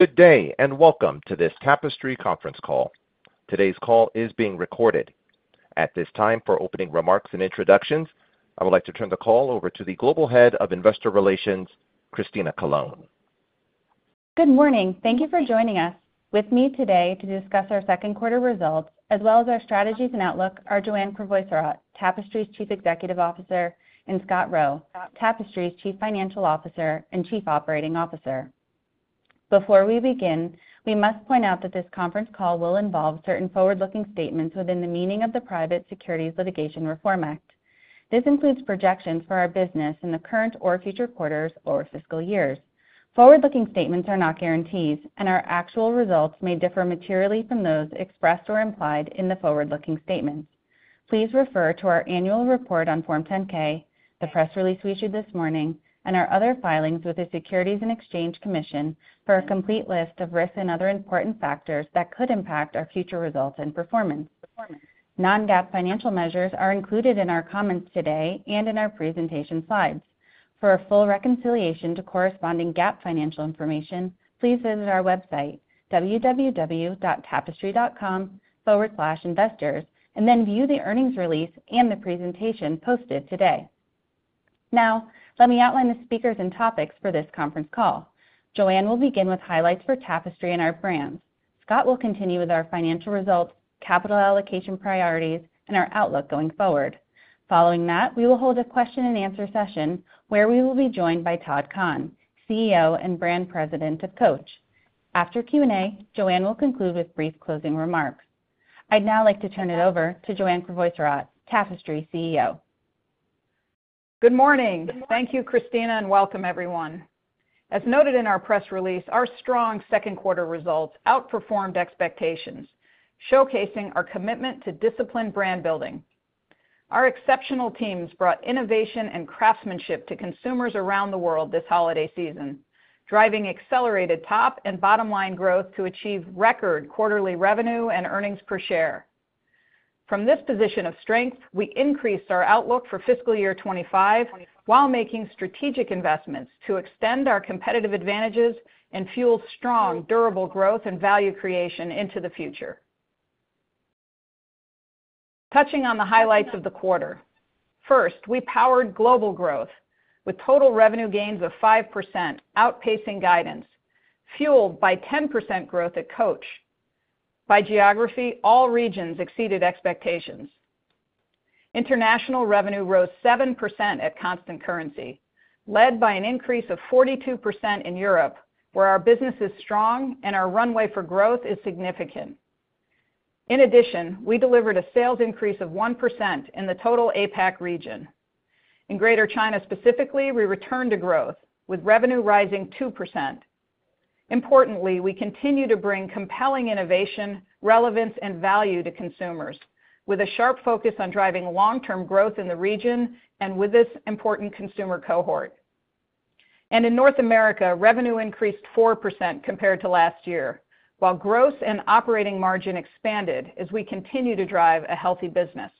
Good day, and welcome to this Tapestry conference call. Today's call is being recorded. At this time, for opening remarks and introductions, I would like to turn the call over to the Global Head of Investor Relations, Christina Colone. Good morning. Thank you for joining us. With me today to discuss our second quarter results, as well as our strategies and outlook, are Joanne Crevoiserat, Tapestry's Chief Executive Officer, and Scott Roe, Tapestry's Chief Financial Officer and Chief Operating Officer. Before we begin, we must point out that this conference call will involve certain forward-looking statements within the meaning of the Private Securities Litigation Reform Act. This includes projections for our business in the current or future quarters or fiscal years. Forward-looking statements are not guarantees, and our actual results may differ materially from those expressed or implied in the forward-looking statements. Please refer to our annual report on Form 10-K, the press release we issued this morning, and our other filings with the Securities and Exchange Commission for a complete list of risks and other important factors that could impact our future results and performance. Non-GAAP financial measures are included in our comments today and in our presentation slides. For a full reconciliation to corresponding GAAP financial information, please visit our website, www.tapestry.com/investors, and then view the earnings release and the presentation posted today. Now, let me outline the speakers and topics for this conference call. Joanne will begin with highlights for Tapestry and our brands. Scott will continue with our financial results, capital allocation priorities, and our outlook going forward. Following that, we will hold a question-and-answer session where we will be joined by Todd Kahn, CEO and Brand President of Coach. After Q&A, Joanne will conclude with brief closing remarks. I'd now like to turn it over to Joanne Crevoiserat, Tapestry CEO. Good morning. Thank you, Christina, and welcome, everyone. As noted in our press release, our strong second quarter results outperformed expectations, showcasing our commitment to disciplined brand building. Our exceptional teams brought innovation and craftsmanship to consumers around the world this holiday season, driving accelerated top and bottom line growth to achieve record quarterly revenue and earnings per share. From this position of strength, we increased our outlook for fiscal year 2025 while making strategic investments to extend our competitive advantages and fuel strong, durable growth and value creation into the future. Touching on the highlights of the quarter, first, we powered global growth with total revenue gains of 5%, outpacing guidance, fueled by 10% growth at Coach. By geography, all regions exceeded expectations. International revenue rose 7% at constant currency, led by an increase of 42% in Europe, where our business is strong and our runway for growth is significant. In addition, we delivered a sales increase of 1% in the total APAC region. In Greater China specifically, we returned to growth, with revenue rising 2%. Importantly, we continue to bring compelling innovation, relevance, and value to consumers, with a sharp focus on driving long-term growth in the region and with this important consumer cohort, and in North America, revenue increased 4% compared to last year, while gross and operating margin expanded as we continue to drive a healthy business.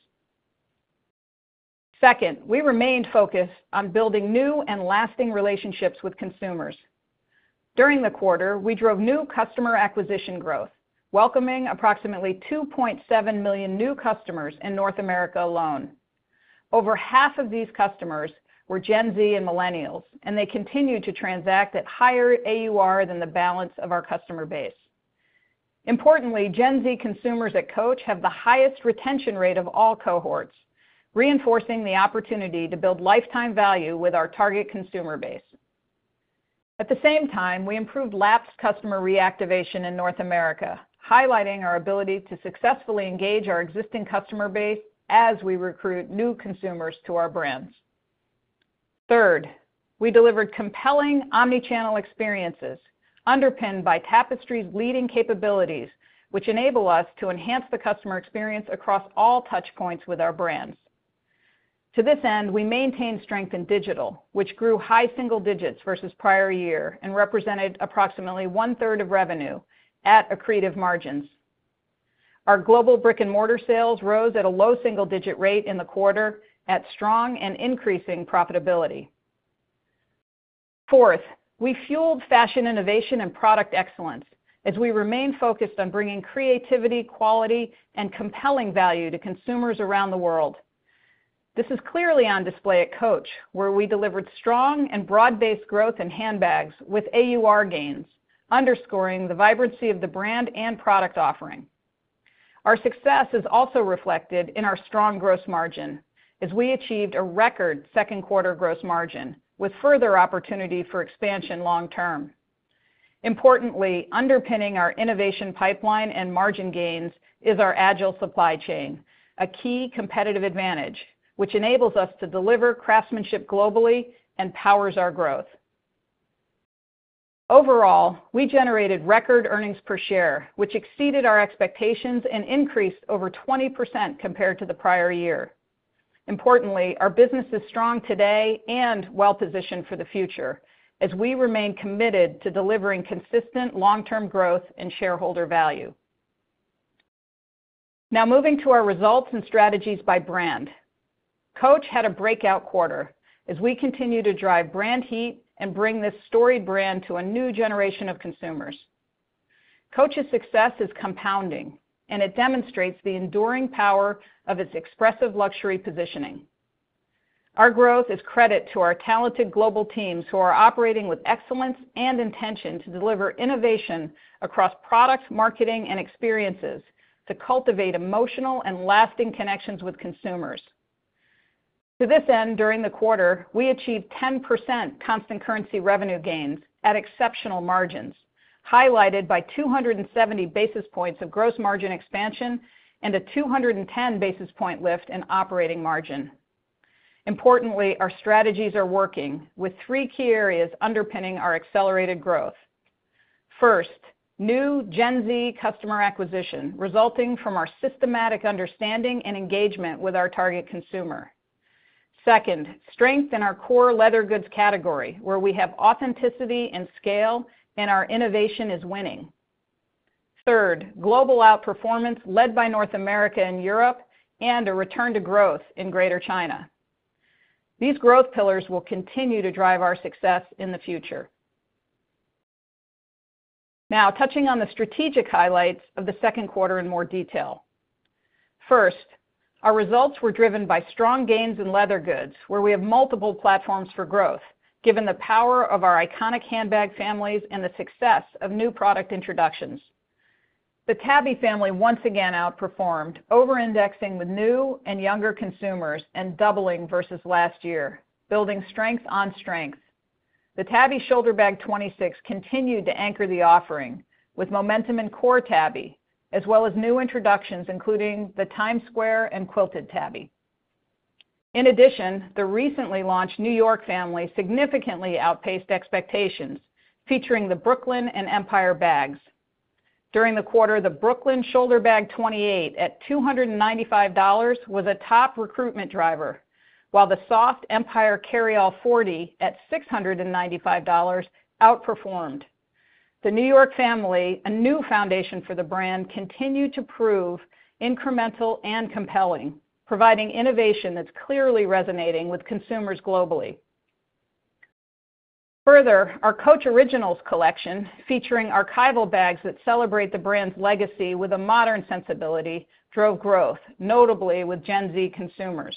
Second, we remained focused on building new and lasting relationships with consumers. During the quarter, we drove new customer acquisition growth, welcoming approximately 2.7 million new customers in North America alone. Over half of these customers were Gen Z and Millennials, and they continue to transact at higher AUR than the balance of our customer base. Importantly, Gen Z consumers at Coach have the highest retention rate of all cohorts, reinforcing the opportunity to build lifetime value with our target consumer base. At the same time, we improved lapsed customer reactivation in North America, highlighting our ability to successfully engage our existing customer base as we recruit new consumers to our brands. Third, we delivered compelling omnichannel experiences underpinned by Tapestry's leading capabilities, which enable us to enhance the customer experience across all touch points with our brands. To this end, we maintained strength in digital, which grew high single digits versus prior year and represented approximately one-third of revenue at accretive margins. Our global brick-and-mortar sales rose at a low single-digit rate in the quarter, at strong and increasing profitability. Fourth, we fueled fashion innovation and product excellence as we remained focused on bringing creativity, quality, and compelling value to consumers around the world. This is clearly on display at Coach, where we delivered strong and broad-based growth and handbags with AUR gains, underscoring the vibrancy of the brand and product offering. Our success is also reflected in our strong gross margin as we achieved a record second quarter gross margin, with further opportunity for expansion long-term. Importantly, underpinning our innovation pipeline and margin gains is our agile supply chain, a key competitive advantage, which enables us to deliver craftsmanship globally and powers our growth. Overall, we generated record earnings per share, which exceeded our expectations and increased over 20% compared to the prior year. Importantly, our business is strong today and well-positioned for the future as we remain committed to delivering consistent long-term growth and shareholder value. Now, moving to our results and strategies by brand, Coach had a breakout quarter as we continue to drive brand heat and bring this storied brand to a new generation of consumers. Coach's success is compounding, and it demonstrates the enduring power of its expressive luxury positioning. Our growth is credit to our talented global teams who are operating with excellence and intention to deliver innovation across product marketing and experiences to cultivate emotional and lasting connections with consumers. To this end, during the quarter, we achieved 10% constant currency revenue gains at exceptional margins, highlighted by 270 basis points of gross margin expansion and a 210 basis points lift in operating margin. Importantly, our strategies are working, with three key areas underpinning our accelerated growth. First, new Gen Z customer acquisition resulting from our systematic understanding and engagement with our target consumer. Second, strength in our core leather goods category, where we have authenticity and scale, and our innovation is winning. Third, global outperformance led by North America and Europe and a return to growth in Greater China. These growth pillars will continue to drive our success in the future. Now, touching on the strategic highlights of the second quarter in more detail. First, our results were driven by strong gains in leather goods, where we have multiple platforms for growth, given the power of our iconic handbag families and the success of new product introductions. The Tabby family once again outperformed, over-indexing with new and younger consumers and doubling versus last year, building strength on strength. The Tabby Shoulder Bag 26 continued to anchor the offering with momentum in core Tabby, as well as new introductions including the Times Square Tabby and Quilted Tabby. In addition, the recently launched New York family significantly outpaced expectations, featuring the Brooklyn and Empire bags. During the quarter, the Brooklyn Shoulder Bag 28 at $295 was a top recruitment driver, while the Soft Empire Carryall 40 at $695 outperformed. The New York family, a new foundation for the brand, continued to prove incremental and compelling, providing innovation that's clearly resonating with consumers globally. Further, our Coach Originals collection, featuring archival bags that celebrate the brand's legacy with a modern sensibility, drove growth, notably with Gen Z consumers.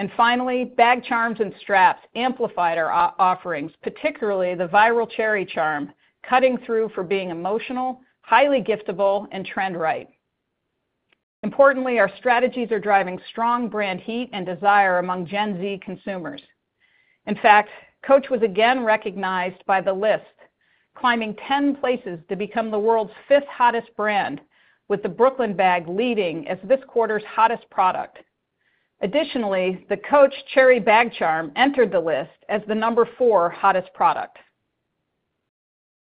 And finally, bag charms and straps amplified our offerings, particularly the viral cherry charm, cutting through for being emotional, highly giftable, and trend-right. Importantly, our strategies are driving strong brand heat and desire among Gen Z consumers. In fact, Coach was again recognized by Lyst, climbing 10 places to become the world's fifth hottest brand, with the Brooklyn bag leading as this quarter's hottest product. Additionally, the Coach Cherry Bag Charm entered the Lyst as the number four hottest product.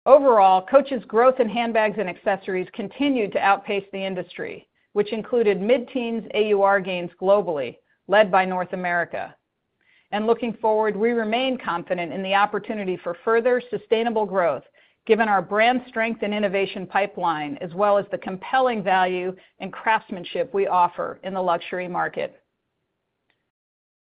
Overall, Coach's growth in handbags and accessories continued to outpace the industry, which included mid-teens AUR gains globally, led by North America, and looking forward, we remain confident in the opportunity for further sustainable growth, given our brand strength and innovation pipeline, as well as the compelling value and craftsmanship we offer in the luxury market.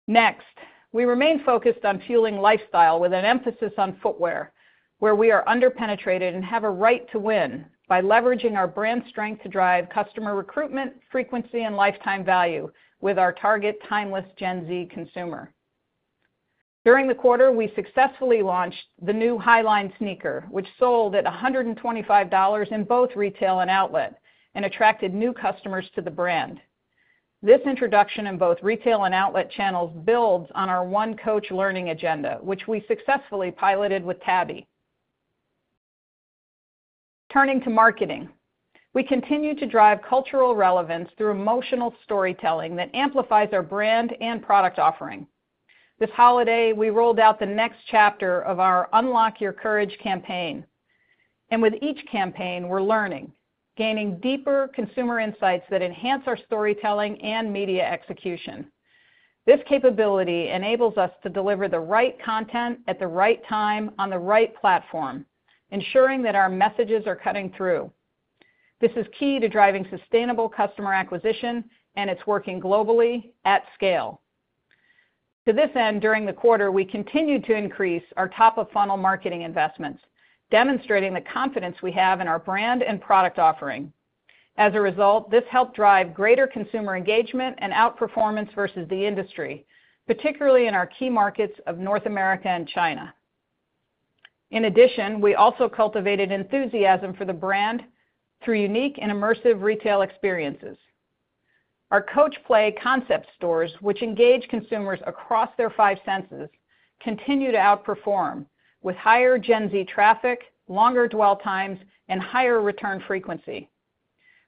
Next, we remain focused on fueling lifestyle with an emphasis on footwear, where we are underpenetrated and have a right to win by leveraging our brand strength to drive customer recruitment, frequency, and lifetime value with our target timeless Gen Z consumer. During the quarter, we successfully launched the new Highline sneaker, which sold at $125 in both retail and outlet and attracted new customers to the brand. This introduction in both retail and outlet channels builds on our One Coach Learning agenda, which we successfully piloted with Tabby. Turning to marketing, we continue to drive cultural relevance through emotional storytelling that amplifies our brand and product offering. This holiday, we rolled out the next chapter of our Unlock Your Courage campaign, and with each campaign, we're learning, gaining deeper consumer insights that enhance our storytelling and media execution. This capability enables us to deliver the right content at the right time on the right platform, ensuring that our messages are cutting through. This is key to driving sustainable customer acquisition and it's working globally at scale. To this end, during the quarter, we continued to increase our top-of-funnel marketing investments, demonstrating the confidence we have in our brand and product offering. As a result, this helped drive greater consumer engagement and outperformance versus the industry, particularly in our key markets of North America and China. In addition, we also cultivated enthusiasm for the brand through unique and immersive retail experiences. Our Coach Play concept stores, which engage consumers across their five senses, continue to outperform with higher Gen Z traffic, longer dwell times, and higher return frequency.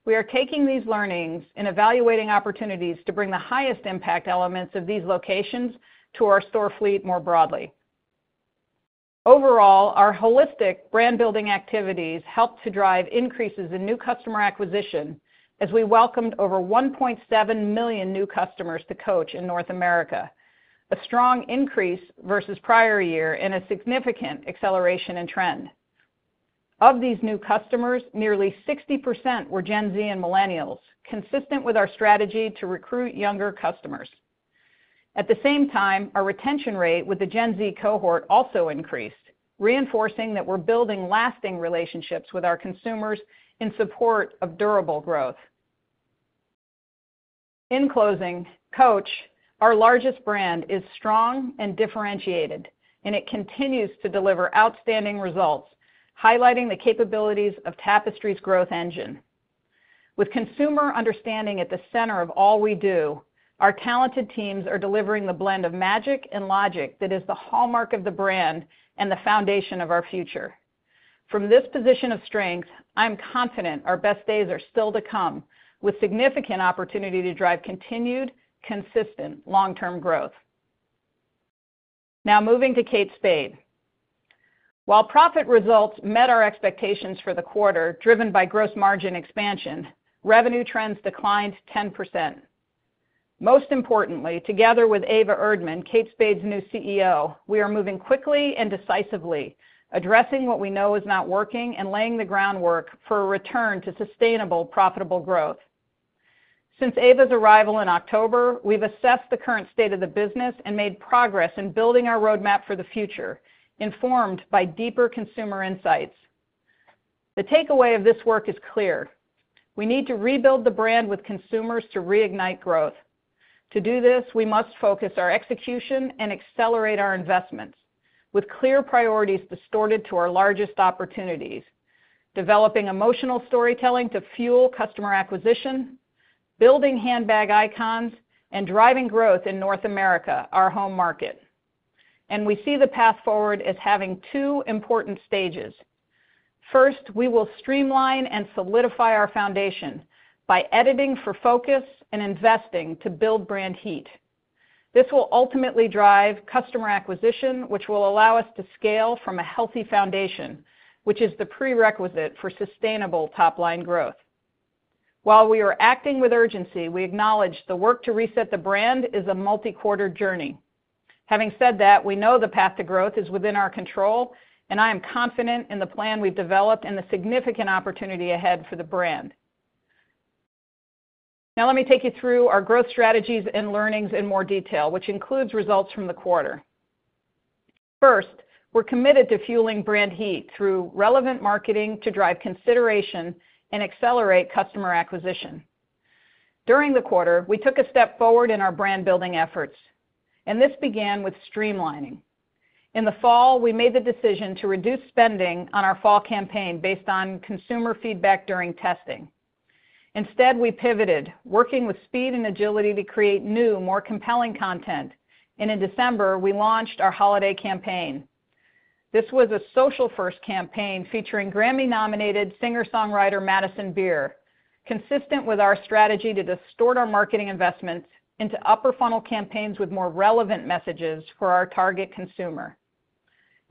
We are taking these learnings and evaluating opportunities to bring the highest impact elements of these locations to our store fleet more broadly. Overall, our holistic brand-building activities helped to drive increases in new customer acquisition as we welcomed over 1.7 million new customers to Coach in North America, a strong increase versus prior year and a significant acceleration in trend. Of these new customers, nearly 60% were Gen Z and Millennials, consistent with our strategy to recruit younger customers. At the same time, our retention rate with the Gen Z cohort also increased, reinforcing that we're building lasting relationships with our consumers in support of durable growth. In closing, Coach, our largest brand, is strong and differentiated, and it continues to deliver outstanding results, highlighting the capabilities of Tapestry's growth engine. With consumer understanding at the center of all we do, our talented teams are delivering the blend of magic and logic that is the hallmark of the brand and the foundation of our future. From this position of strength, I'm confident our best days are still to come, with significant opportunity to drive continued, consistent long-term growth. Now, moving to Kate Spade. While profit results met our expectations for the quarter, driven by gross margin expansion, revenue trends declined 10%. Most importantly, together with Eva Erdmann, Kate Spade's new CEO, we are moving quickly and decisively, addressing what we know is not working and laying the groundwork for a return to sustainable, profitable growth. Since Eva's arrival in October, we've assessed the current state of the business and made progress in building our roadmap for the future, informed by deeper consumer insights. The takeaway of this work is clear. We need to rebuild the brand with consumers to reignite growth. To do this, we must focus our execution and accelerate our investments, with clear priorities directed to our largest opportunities, developing emotional storytelling to fuel customer acquisition, building handbag icons, and driving growth in North America, our home market, and we see the path forward as having two important stages. First, we will streamline and solidify our foundation by editing for focus and investing to build brand heat. This will ultimately drive customer acquisition, which will allow us to scale from a healthy foundation, which is the prerequisite for sustainable top-line growth. While we are acting with urgency, we acknowledge the work to reset the brand is a multi-quarter journey. Having said that, we know the path to growth is within our control, and I am confident in the plan we've developed and the significant opportunity ahead for the brand. Now, let me take you through our growth strategies and learnings in more detail, which includes results from the quarter. First, we're committed to fueling brand heat through relevant marketing to drive consideration and accelerate customer acquisition. During the quarter, we took a step forward in our brand-building efforts, and this began with streamlining. In the fall, we made the decision to reduce spending on our fall campaign based on consumer feedback during testing. Instead, we pivoted, working with speed and agility to create new, more compelling content, and in December, we launched our holiday campaign. This was a social-first campaign featuring Grammy-nominated singer-songwriter Madison Beer, consistent with our strategy to distort our marketing investments into upper-funnel campaigns with more relevant messages for our target consumer.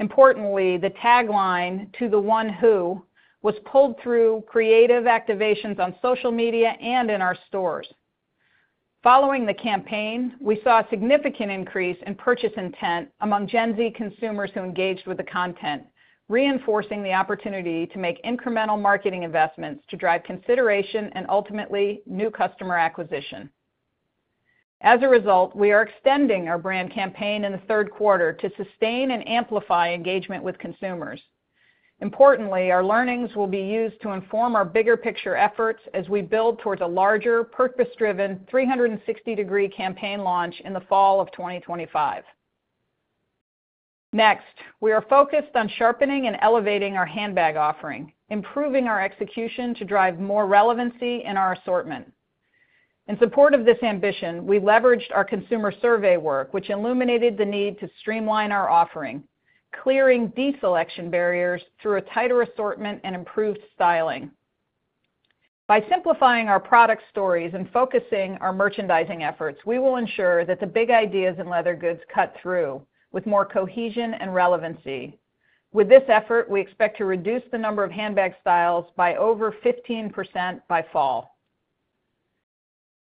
Importantly, the tagline "To the One Who" was pulled through creative activations on social media and in our stores. Following the campaign, we saw a significant increase in purchase intent among Gen Z consumers who engaged with the content, reinforcing the opportunity to make incremental marketing investments to drive consideration and ultimately new customer acquisition. As a result, we are extending our brand campaign in the third quarter to sustain and amplify engagement with consumers. Importantly, our learnings will be used to inform our bigger-picture efforts as we build towards a larger, purpose-driven, 360-degree campaign launch in the fall of 2025. Next, we are focused on sharpening and elevating our handbag offering, improving our execution to drive more relevancy in our assortment. In support of this ambition, we leveraged our consumer survey work, which illuminated the need to streamline our offering, clearing deselection barriers through a tighter assortment and improved styling. By simplifying our product stories and focusing our merchandising efforts, we will ensure that the big ideas in leather goods cut through with more cohesion and relevancy. With this effort, we expect to reduce the number of handbag styles by over 15% by fall.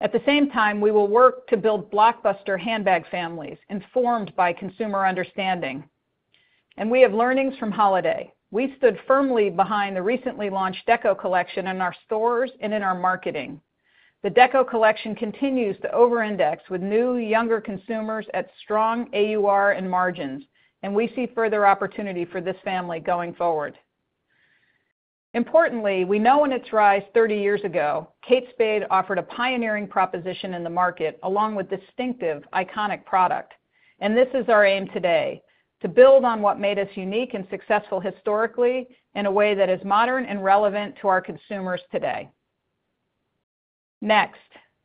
At the same time, we will work to build blockbuster handbag families informed by consumer understanding. And we have learnings from holiday. We stood firmly behind the recently launched Deco Collection in our stores and in our marketing. The Deco Collection continues to over-index with new, younger consumers at strong AUR and margins, and we see further opportunity for this family going forward. Importantly, we know in its rise, 30 years ago, Kate Spade offered a pioneering proposition in the market along with distinctive, iconic product. This is our aim today, to build on what made us unique and successful historically in a way that is modern and relevant to our consumers today. Next,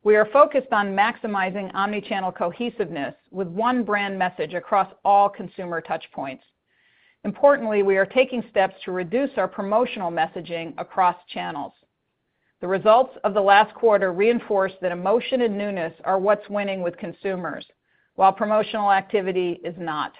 we are focused on maximizing omnichannel cohesiveness with one brand message across all consumer touchpoints. Importantly, we are taking steps to reduce our promotional messaging across channels. The results of the last quarter reinforced that emotion and newness are what's winning with consumers, while promotional activity is not.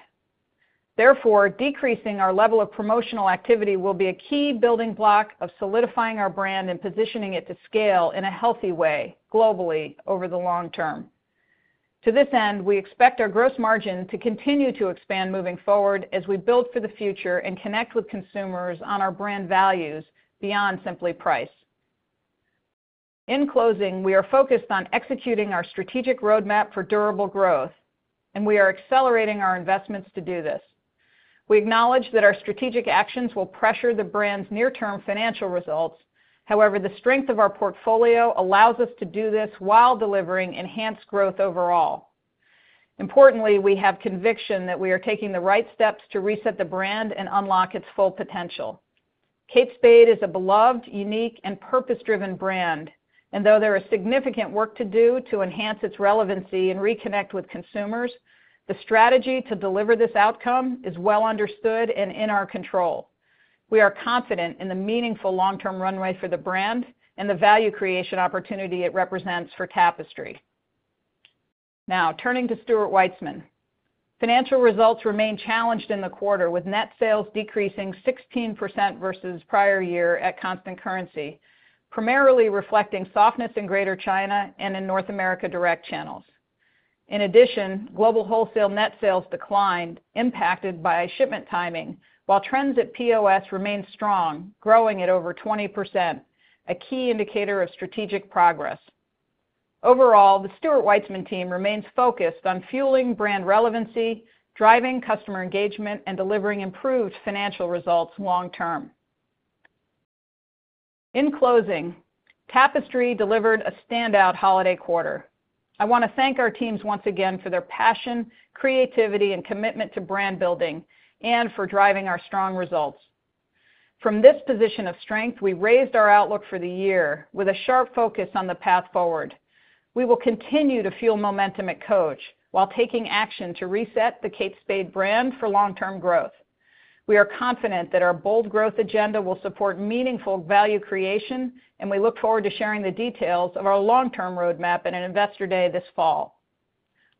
Therefore, decreasing our level of promotional activity will be a key building block of solidifying our brand and positioning it to scale in a healthy way globally over the long term. To this end, we expect our gross margin to continue to expand moving forward as we build for the future and connect with consumers on our brand values beyond simply price. In closing, we are focused on executing our strategic roadmap for durable growth, and we are accelerating our investments to do this. We acknowledge that our strategic actions will pressure the brand's near-term financial results. However, the strength of our portfolio allows us to do this while delivering enhanced growth overall. Importantly, we have conviction that we are taking the right steps to reset the brand and unlock its full potential. Kate Spade is a beloved, unique, and purpose-driven brand, and though there is significant work to do to enhance its relevancy and reconnect with consumers, the strategy to deliver this outcome is well understood and in our control. We are confident in the meaningful long-term runway for the brand and the value creation opportunity it represents for Tapestry. Now, turning to Stuart Weitzman, financial results remain challenged in the quarter, with net sales decreasing 16% versus prior year at constant currency, primarily reflecting softness in Greater China and in North America direct channels. In addition, global wholesale net sales declined, impacted by shipment timing, while trends at POS remained strong, growing at over 20%, a key indicator of strategic progress. Overall, the Stuart Weitzman team remains focused on fueling brand relevancy, driving customer engagement, and delivering improved financial results long term. In closing, Tapestry delivered a standout holiday quarter. I want to thank our teams once again for their passion, creativity, and commitment to brand building, and for driving our strong results. From this position of strength, we raised our outlook for the year with a sharp focus on the path forward. We will continue to fuel momentum at Coach while taking action to reset the Kate Spade brand for long-term growth. We are confident that our bold growth agenda will support meaningful value creation, and we look forward to sharing the details of our long-term roadmap in an investor day this fall.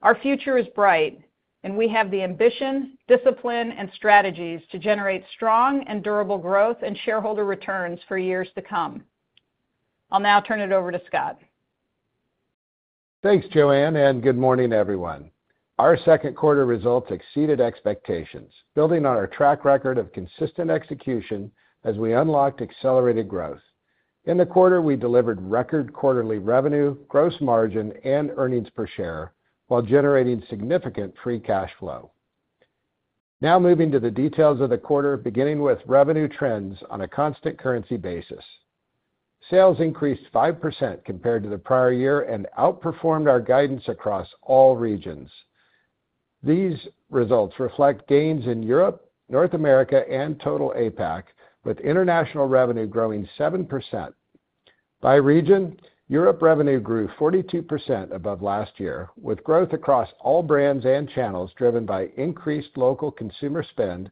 Our future is bright, and we have the ambition, discipline, and strategies to generate strong and durable growth and shareholder returns for years to come. I'll now turn it over to Scott. Thanks, Joanne, and good morning, everyone. Our second quarter results exceeded expectations, building on our track record of consistent execution as we unlocked accelerated growth. In the quarter, we delivered record quarterly revenue, gross margin, and earnings per share while generating significant free cash flow. Now, moving to the details of the quarter, beginning with revenue trends on a constant currency basis. Sales increased 5% compared to the prior year and outperformed our guidance across all regions. These results reflect gains in Europe, North America, and total APAC, with international revenue growing 7%. By region, Europe revenue grew 42% above last year, with growth across all brands and channels driven by increased local consumer spend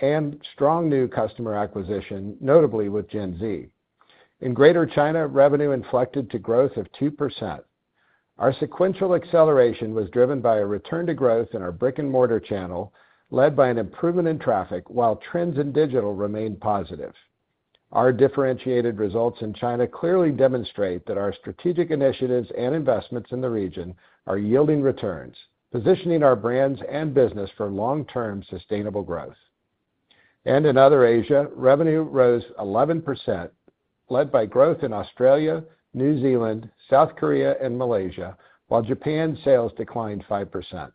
and strong new customer acquisition, notably with Gen Z. In Greater China, revenue inflected to growth of 2%. Our sequential acceleration was driven by a return to growth in our brick-and-mortar channel, led by an improvement in traffic, while trends in digital remained positive. Our differentiated results in China clearly demonstrate that our strategic initiatives and investments in the region are yielding returns, positioning our brands and business for long-term sustainable growth. And in other Asia, revenue rose 11%, led by growth in Australia, New Zealand, South Korea, and Malaysia, while Japan sales declined 5%.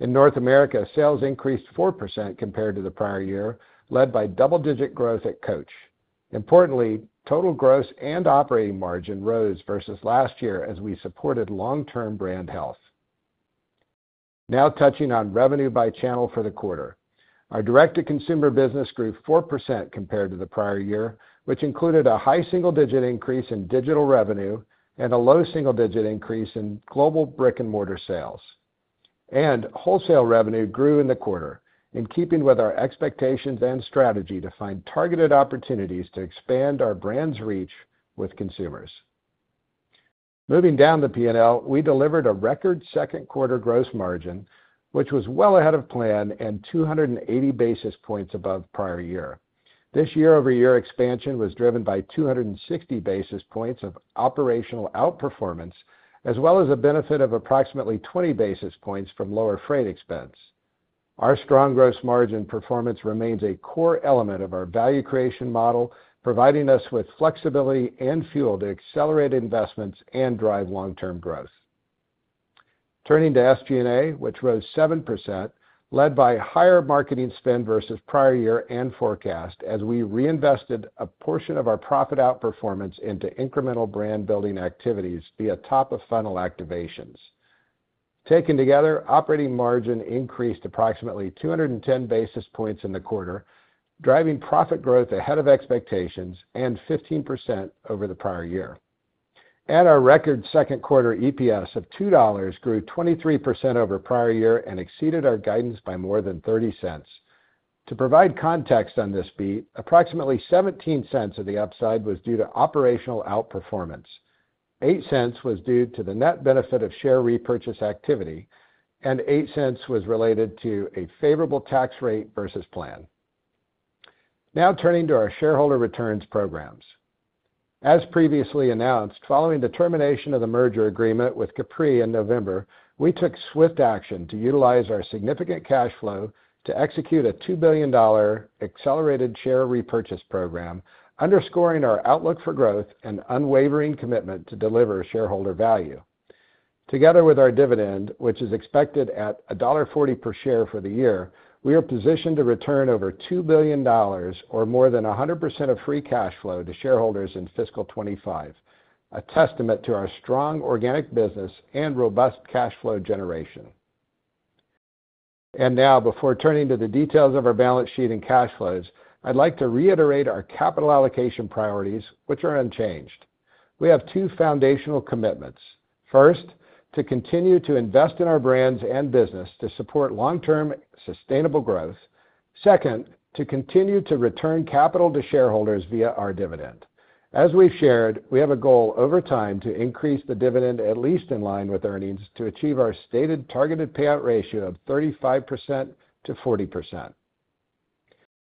In North America, sales increased 4% compared to the prior year, led by double-digit growth at Coach. Importantly, total gross and operating margin rose versus last year as we supported long-term brand health. Now, touching on revenue by channel for the quarter, our direct-to-consumer business grew 4% compared to the prior year, which included a high single-digit increase in digital revenue and a low single-digit increase in global brick-and-mortar sales. Wholesale revenue grew in the quarter, in keeping with our expectations and strategy to find targeted opportunities to expand our brand's reach with consumers. Moving down the P&L, we delivered a record second quarter gross margin, which was well ahead of plan and 280 basis points above prior year. This year-over-year expansion was driven by 260 basis points of operational outperformance, as well as a benefit of approximately 20 basis points from lower freight expense. Our strong gross margin performance remains a core element of our value creation model, providing us with flexibility and fuel to accelerate investments and drive long-term growth. Turning to SG&A, which rose 7%, led by higher marketing spend versus prior year and forecast as we reinvested a portion of our profit outperformance into incremental brand building activities via top-of-funnel activations. Taken together, operating margin increased approximately 210 basis points in the quarter, driving profit growth ahead of expectations and 15% over the prior year. Our record second quarter EPS of $2 grew 23% over prior year and exceeded our guidance by more than $0.30. To provide context on this beat, approximately $0.17 of the upside was due to operational outperformance. $0.08 was due to the net benefit of share repurchase activity, and $0.08 was related to a favorable tax rate versus plan. Now, turning to our shareholder returns programs. As previously announced, following the termination of the merger agreement with Capri in November, we took swift action to utilize our significant cash flow to execute a $2 billion accelerated share repurchase program, underscoring our outlook for growth and unwavering commitment to deliver shareholder value. Together with our dividend, which is expected at $1.40 per share for the year, we are positioned to return over $2 billion, or more than 100% of free cash flow to shareholders in fiscal 2025, a testament to our strong organic business and robust cash flow generation. And now, before turning to the details of our balance sheet and cash flows, I'd like to reiterate our capital allocation priorities, which are unchanged. We have two foundational commitments. First, to continue to invest in our brands and business to support long-term sustainable growth. Second, to continue to return capital to shareholders via our dividend. As we've shared, we have a goal over time to increase the dividend at least in line with earnings to achieve our stated targeted payout ratio of 35% to 40%.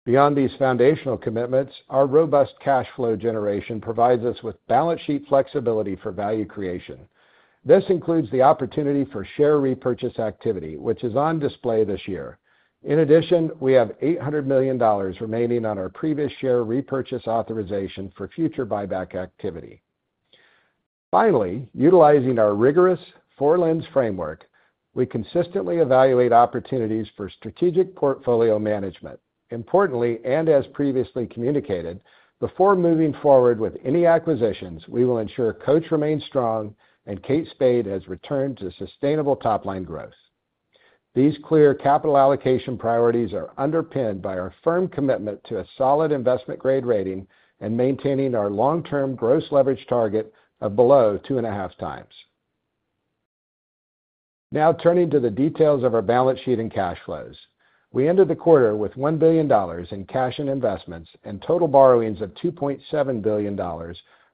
Beyond these foundational commitments, our robust cash flow generation provides us with balance sheet flexibility for value creation. This includes the opportunity for share repurchase activity, which is on display this year. In addition, we have $800 million remaining on our previous share repurchase authorization for future buyback activity. Finally, utilizing our rigorous Four-Lens Framework, we consistently evaluate opportunities for strategic portfolio management. Importantly, and as previously communicated, before moving forward with any acquisitions, we will ensure Coach remains strong and Kate Spade has returned to sustainable top-line growth. These clear capital allocation priorities are underpinned by our firm commitment to a solid investment-grade rating and maintaining our long-term gross leverage target of below two and a half times. Now, turning to the details of our balance sheet and cash flows. We ended the quarter with $1 billion in cash and investments and total borrowings of $2.7 billion,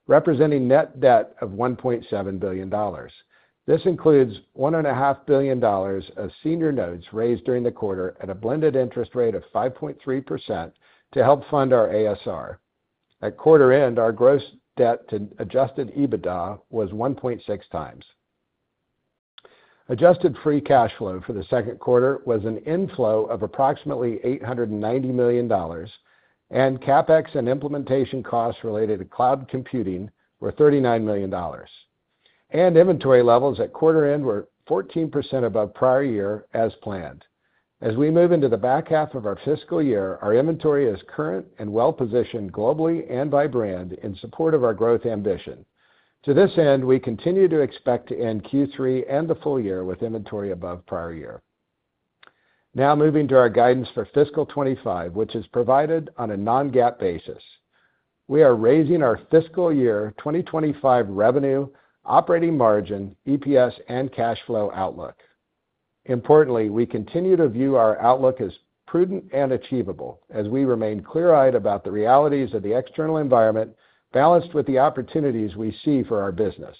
representing net debt of $1.7 billion. This includes $1.5 billion of senior notes raised during the quarter at a blended interest rate of 5.3% to help fund our ASR. At quarter end, our gross debt to adjusted EBITDA was 1.6x. Adjusted free cash flow for the second quarter was an inflow of approximately $890 million, and CapEx and implementation costs related to cloud computing were $39 million. Inventory levels at quarter end were 14% above prior year as planned. As we move into the back half of our fiscal year, our inventory is current and well-positioned globally and by brand in support of our growth ambition. To this end, we continue to expect to end Q3 and the full year with inventory above prior year. Now, moving to our guidance for fiscal 2025, which is provided on a non-GAAP basis. We are raising our fiscal year 2025 revenue, operating margin, EPS, and cash flow outlook. Importantly, we continue to view our outlook as prudent and achievable as we remain clear-eyed about the realities of the external environment, balanced with the opportunities we see for our business.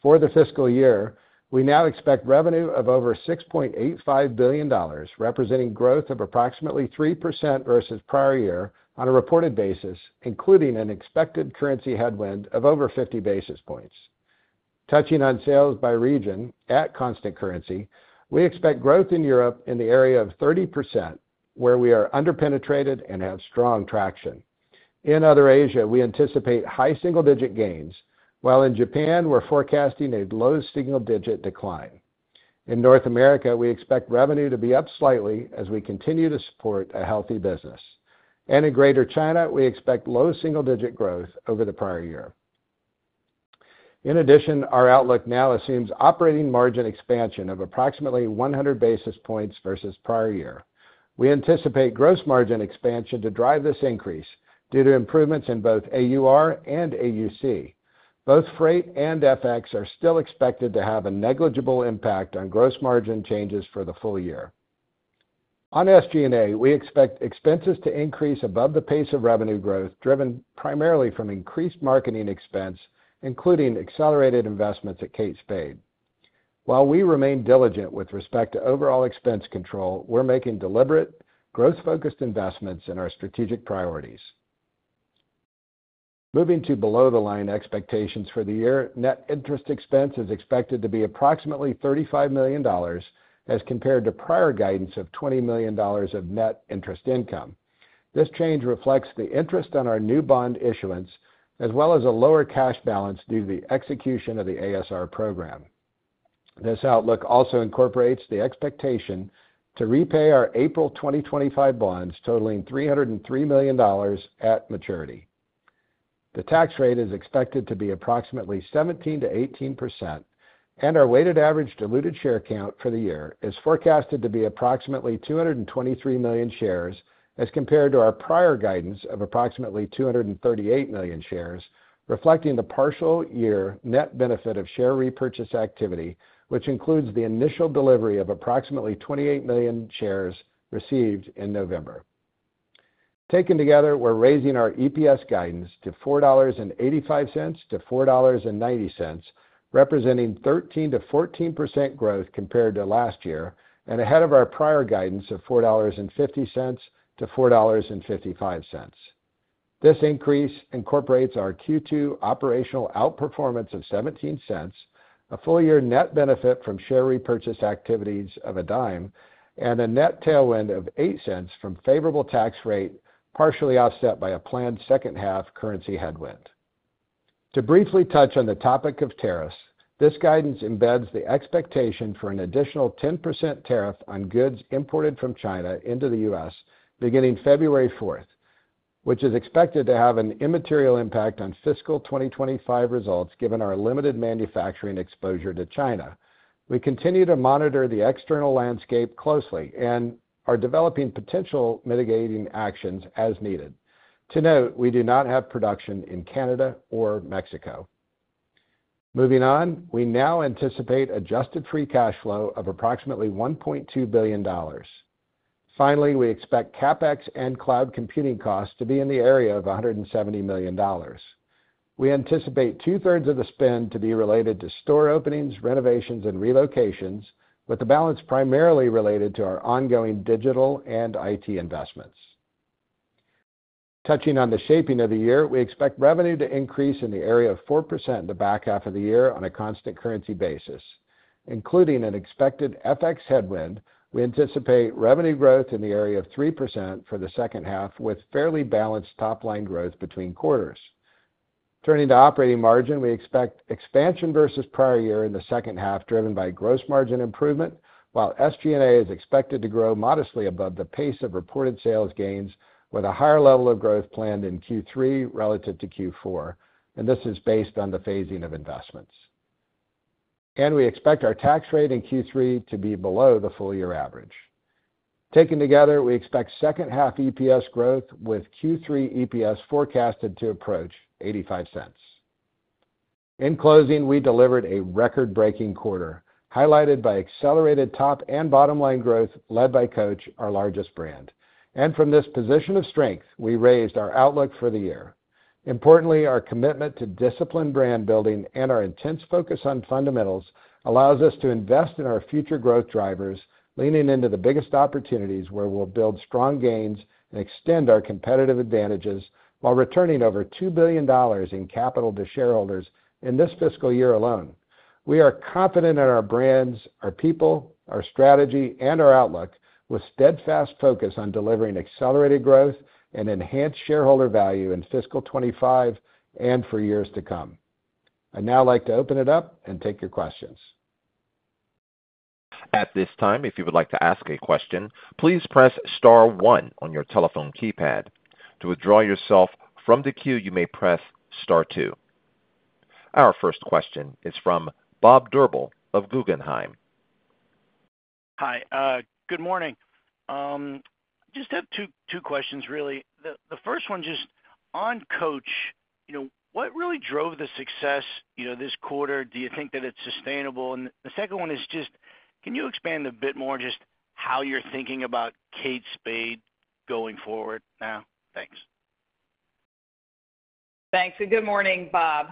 For the fiscal year, we now expect revenue of over $6.85 billion, representing growth of approximately 3% versus prior year on a reported basis, including an expected currency headwind of over 50 basis points. Touching on sales by region at constant currency, we expect growth in Europe in the area of 30%, where we are underpenetrated and have strong traction. In other Asia, we anticipate high single-digit gains, while in Japan, we're forecasting a low single-digit decline. In North America, we expect revenue to be up slightly as we continue to support a healthy business. In Greater China, we expect low single-digit growth over the prior year. In addition, our outlook now assumes operating margin expansion of approximately 100 basis points versus prior year. We anticipate gross margin expansion to drive this increase due to improvements in both AUR and AUC. Both freight and FX are still expected to have a negligible impact on gross margin changes for the full year. On SG&A, we expect expenses to increase above the pace of revenue growth, driven primarily from increased marketing expense, including accelerated investments at Kate Spade. While we remain diligent with respect to overall expense control, we're making deliberate, growth-focused investments in our strategic priorities. Moving to below-the-line expectations for the year, net interest expense is expected to be approximately $35 million as compared to prior guidance of $20 million of net interest income. This change reflects the interest on our new bond issuance, as well as a lower cash balance due to the execution of the ASR program. This outlook also incorporates the expectation to repay our April 2025 bonds totaling $303 million at maturity. The tax rate is expected to be approximately 17%-18%, and our weighted average diluted share count for the year is forecasted to be approximately 223 million shares as compared to our prior guidance of approximately 238 million shares, reflecting the partial year net benefit of share repurchase activity, which includes the initial delivery of approximately 28 million shares received in November. Taken together, we're raising our EPS guidance to $4.85-$4.90, representing 13%-14% growth compared to last year and ahead of our prior guidance of $4.50-$4.55. This increase incorporates our Q2 operational outperformance of $0.17, a full-year net benefit from share repurchase activities of $0.10, and a net tailwind of $0.08 from favorable tax rate, partially offset by a planned second-half currency headwind. To briefly touch on the topic of tariffs, this guidance embeds the expectation for an additional 10% tariff on goods imported from China into the U.S. beginning February 4th, which is expected to have an immaterial impact on fiscal 2025 results given our limited manufacturing exposure to China. We continue to monitor the external landscape closely and are developing potential mitigating actions as needed. To note, we do not have production in Canada or Mexico. Moving on, we now anticipate adjusted free cash flow of approximately $1.2 billion. Finally, we expect CapEx and cloud computing costs to be in the area of $170 million. We anticipate two-thirds of the spend to be related to store openings, renovations, and relocations, with the balance primarily related to our ongoing digital and IT investments. Touching on the shaping of the year, we expect revenue to increase in the area of 4% in the back half of the year on a constant currency basis. Including an expected FX headwind, we anticipate revenue growth in the area of 3% for the second half, with fairly balanced top-line growth between quarters. Turning to operating margin, we expect expansion versus prior year in the second half, driven by gross margin improvement, while SG&A is expected to grow modestly above the pace of reported sales gains, with a higher level of growth planned in Q3 relative to Q4. And this is based on the phasing of investments. And we expect our tax rate in Q3 to be below the full-year average. Taken together, we expect second-half EPS growth, with Q3 EPS forecasted to approach $0.85. In closing, we delivered a record-breaking quarter, highlighted by accelerated top and bottom-line growth led by Coach, our largest brand, and from this position of strength, we raised our outlook for the year. Importantly, our commitment to disciplined brand building and our intense focus on fundamentals allows us to invest in our future growth drivers, leaning into the biggest opportunities where we'll build strong gains and extend our competitive advantages while returning over $2 billion in capital to shareholders in this fiscal year alone. We are confident in our brands, our people, our strategy, and our outlook, with steadfast focus on delivering accelerated growth and enhanced shareholder value in fiscal 2025 and for years to come. I'd now like to open it up and take your questions. At this time, if you would like to ask a question, please press star one on your telephone keypad. To withdraw yourself from the queue, you may press star two. Our first question is from Bob Drbul of Guggenheim. Hi, good morning. Just have two questions, really. The first one just on Coach, what really drove the success this quarter? Do you think that it's sustainable? And the second one is just, can you expand a bit more just how you're thinking about Kate Spade going forward now? Thanks. Thanks. And good morning, Bob.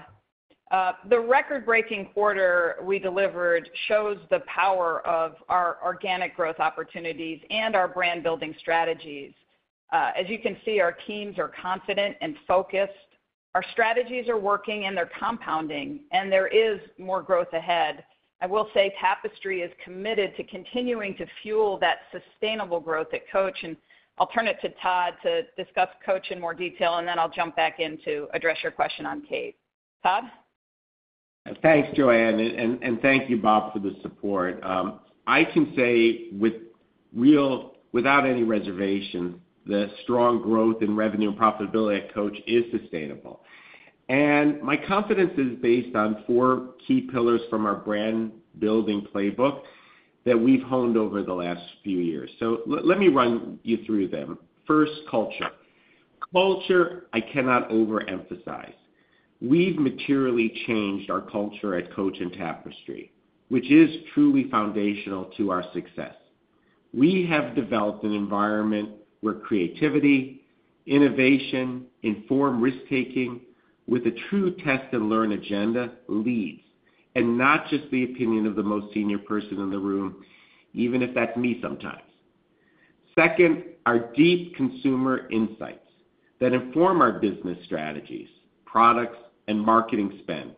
The record-breaking quarter we delivered shows the power of our organic growth opportunities and our brand-building strategies. As you can see, our teams are confident and focused. Our strategies are working and they're compounding, and there is more growth ahead. I will say Tapestry is committed to continuing to fuel that sustainable growth at Coach. I'll turn it to Todd to discuss Coach in more detail, and then I'll jump back in to address your question on Kate. Todd? Thanks, Joanne, and thank you, Bob, for the support. I can say with real, without any reservation, the strong growth in revenue and profitability at Coach is sustainable. My confidence is based on four key pillars from our brand-building playbook that we've honed over the last few years. Let me run you through them. First, culture. Culture, I cannot overemphasize. We've materially changed our culture at Coach and Tapestry, which is truly foundational to our success. We have developed an environment where creativity, innovation, informed risk-taking with a true test-and-learn agenda leads, and not just the opinion of the most senior person in the room, even if that's me sometimes. Second, our deep consumer insights that inform our business strategies, products, and marketing spend.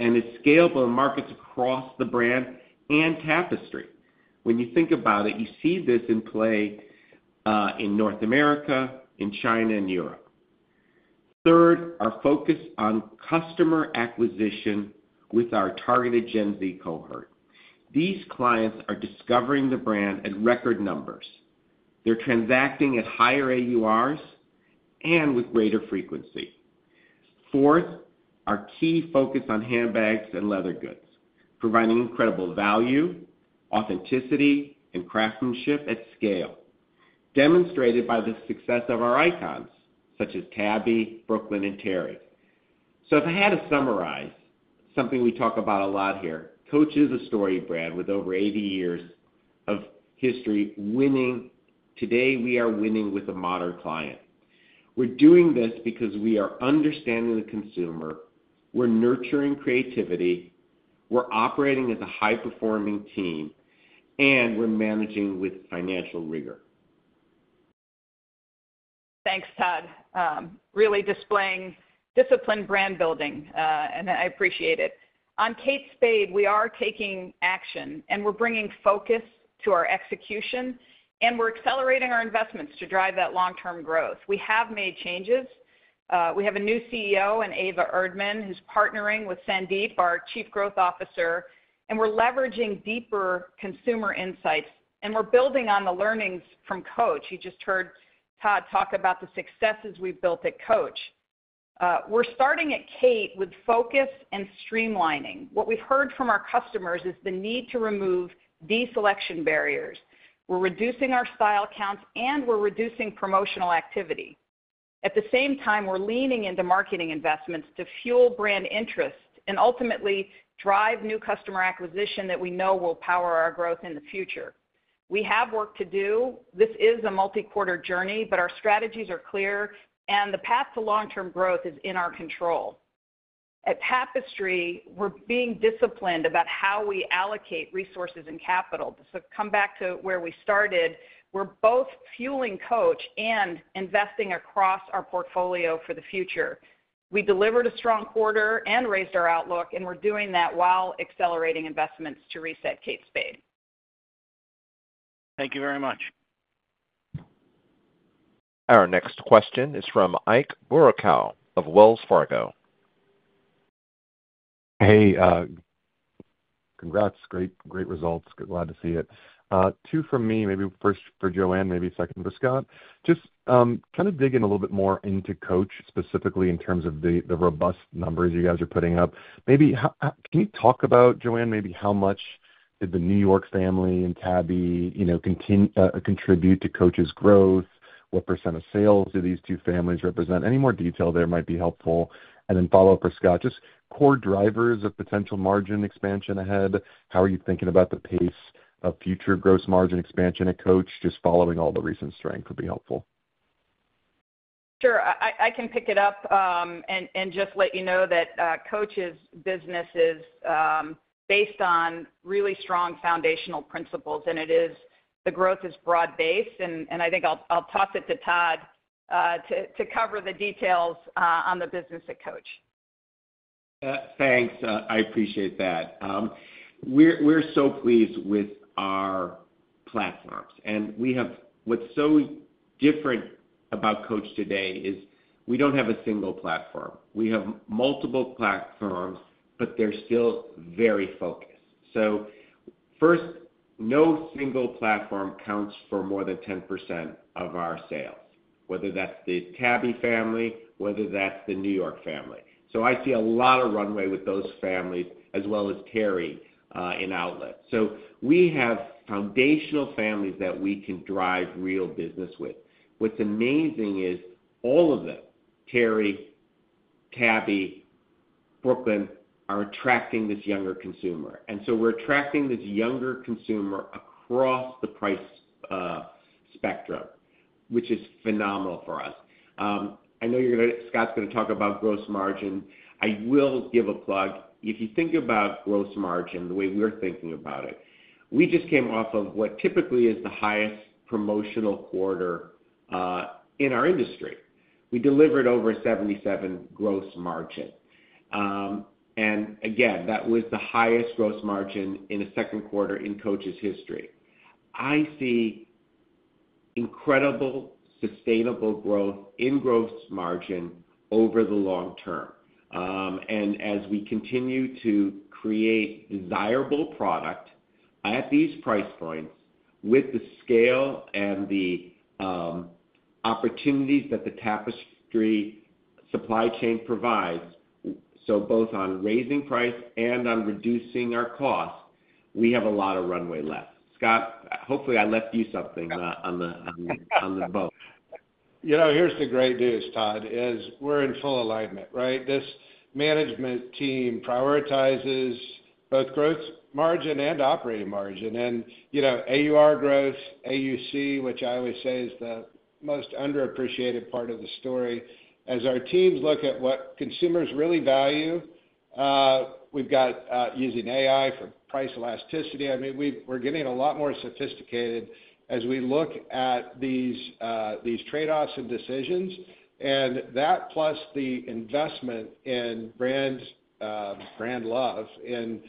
And it's scalable in markets across the brand and Tapestry. When you think about it, you see this in play in North America, in China, and Europe. Third, our focus on customer acquisition with our targeted Gen Z cohort. These clients are discovering the brand at record numbers. They're transacting at higher AURs and with greater frequency. Fourth, our key focus on handbags and leather goods, providing incredible value, authenticity, and craftsmanship at scale, demonstrated by the success of our icons such as Tabby, Brooklyn, and Teri. So if I had to summarize something we talk about a lot here, Coach is a story brand with over 80 years of history winning. Today, we are winning with a modern client. We're doing this because we are understanding the consumer. We're nurturing creativity. We're operating as a high-performing team, and we're managing with financial rigor. Thanks, Todd. Really displaying disciplined brand building, and I appreciate it. On Kate Spade, we are taking action, and we're bringing focus to our execution, and we're accelerating our investments to drive that long-term growth. We have made changes. We have a new CEO, and Eva Erdmann, who's partnering with Sandeep, our Chief Growth Officer, and we're leveraging deeper consumer insights, and we're building on the learnings from Coach. You just heard Todd talk about the successes we've built at Coach. We're starting at Kate with focus and streamlining. What we've heard from our customers is the need to remove deselection barriers. We're reducing our style counts, and we're reducing promotional activity. At the same time, we're leaning into marketing investments to fuel brand interest and ultimately drive new customer acquisition that we know will power our growth in the future. We have work to do. This is a multi-quarter journey, but our strategies are clear, and the path to long-term growth is in our control. At Tapestry, we're being disciplined about how we allocate resources and capital. So to come back to where we started, we're both fueling Coach and investing across our portfolio for the future. We delivered a strong quarter and raised our outlook, and we're doing that while accelerating investments to reset Kate Spade. Thank you very much. Our next question is from Ike Boruchow of Wells Fargo. Hey, congrats. Great results. Glad to see it. Two from me, maybe first for Joanne, maybe second for Scott. Just kind of digging a little bit more into Coach specifically in terms of the robust numbers you guys are putting up. Maybe can you talk about, Joanne, maybe how much did the New York family and Tabby contribute to Coach's growth? What percent of sales do these two families represent? Any more detail there might be helpful. And then follow up for Scott. Just core drivers of potential margin expansion ahead. How are you thinking about the pace of future gross margin expansion at Coach? Just following all the recent strength would be helpful. Sure. I can pick it up and just let you know that Coach's business is based on really strong foundational principles, and the growth is broad-based. And I think I'll toss it to Todd to cover the details on the business at Coach. Thanks. I appreciate that. We're so pleased with our platforms. What's so different about Coach today is we don't have a single platform. We have multiple platforms, but they're still very focused. First, no single platform counts for more than 10% of our sales, whether that's the Tabby family, whether that's the New York family. I see a lot of runway with those families, as well as Teri in Outlet. We have foundational families that we can drive real business with. What's amazing is all of them, Teri, Tabby, Brooklyn, are attracting this younger consumer. We're attracting this younger consumer across the price spectrum, which is phenomenal for us. I know Scott's going to talk about gross margin. I will give a plug. If you think about gross margin, the way we're thinking about it, we just came off of what typically is the highest promotional quarter in our industry. We delivered over 77% gross margin, and again, that was the highest gross margin in a second quarter in Coach's history. I see incredible sustainable growth in gross margin over the long term, and as we continue to create desirable product at these price points with the scale and the opportunities that the Tapestry supply chain provides, so both on raising price and on reducing our cost, we have a lot of runway left. Scott, hopefully I left you something on the boat. Here's the great news, Todd, is we're in full alignment, right? This management team prioritizes both gross margin and operating margin, and AUR growth, AUC, which I always say is the most underappreciated part of the story. As our teams look at what consumers really value, we've got using AI for price elasticity. I mean, we're getting a lot more sophisticated as we look at these trade-offs and decisions. And that plus the investment in brand love and,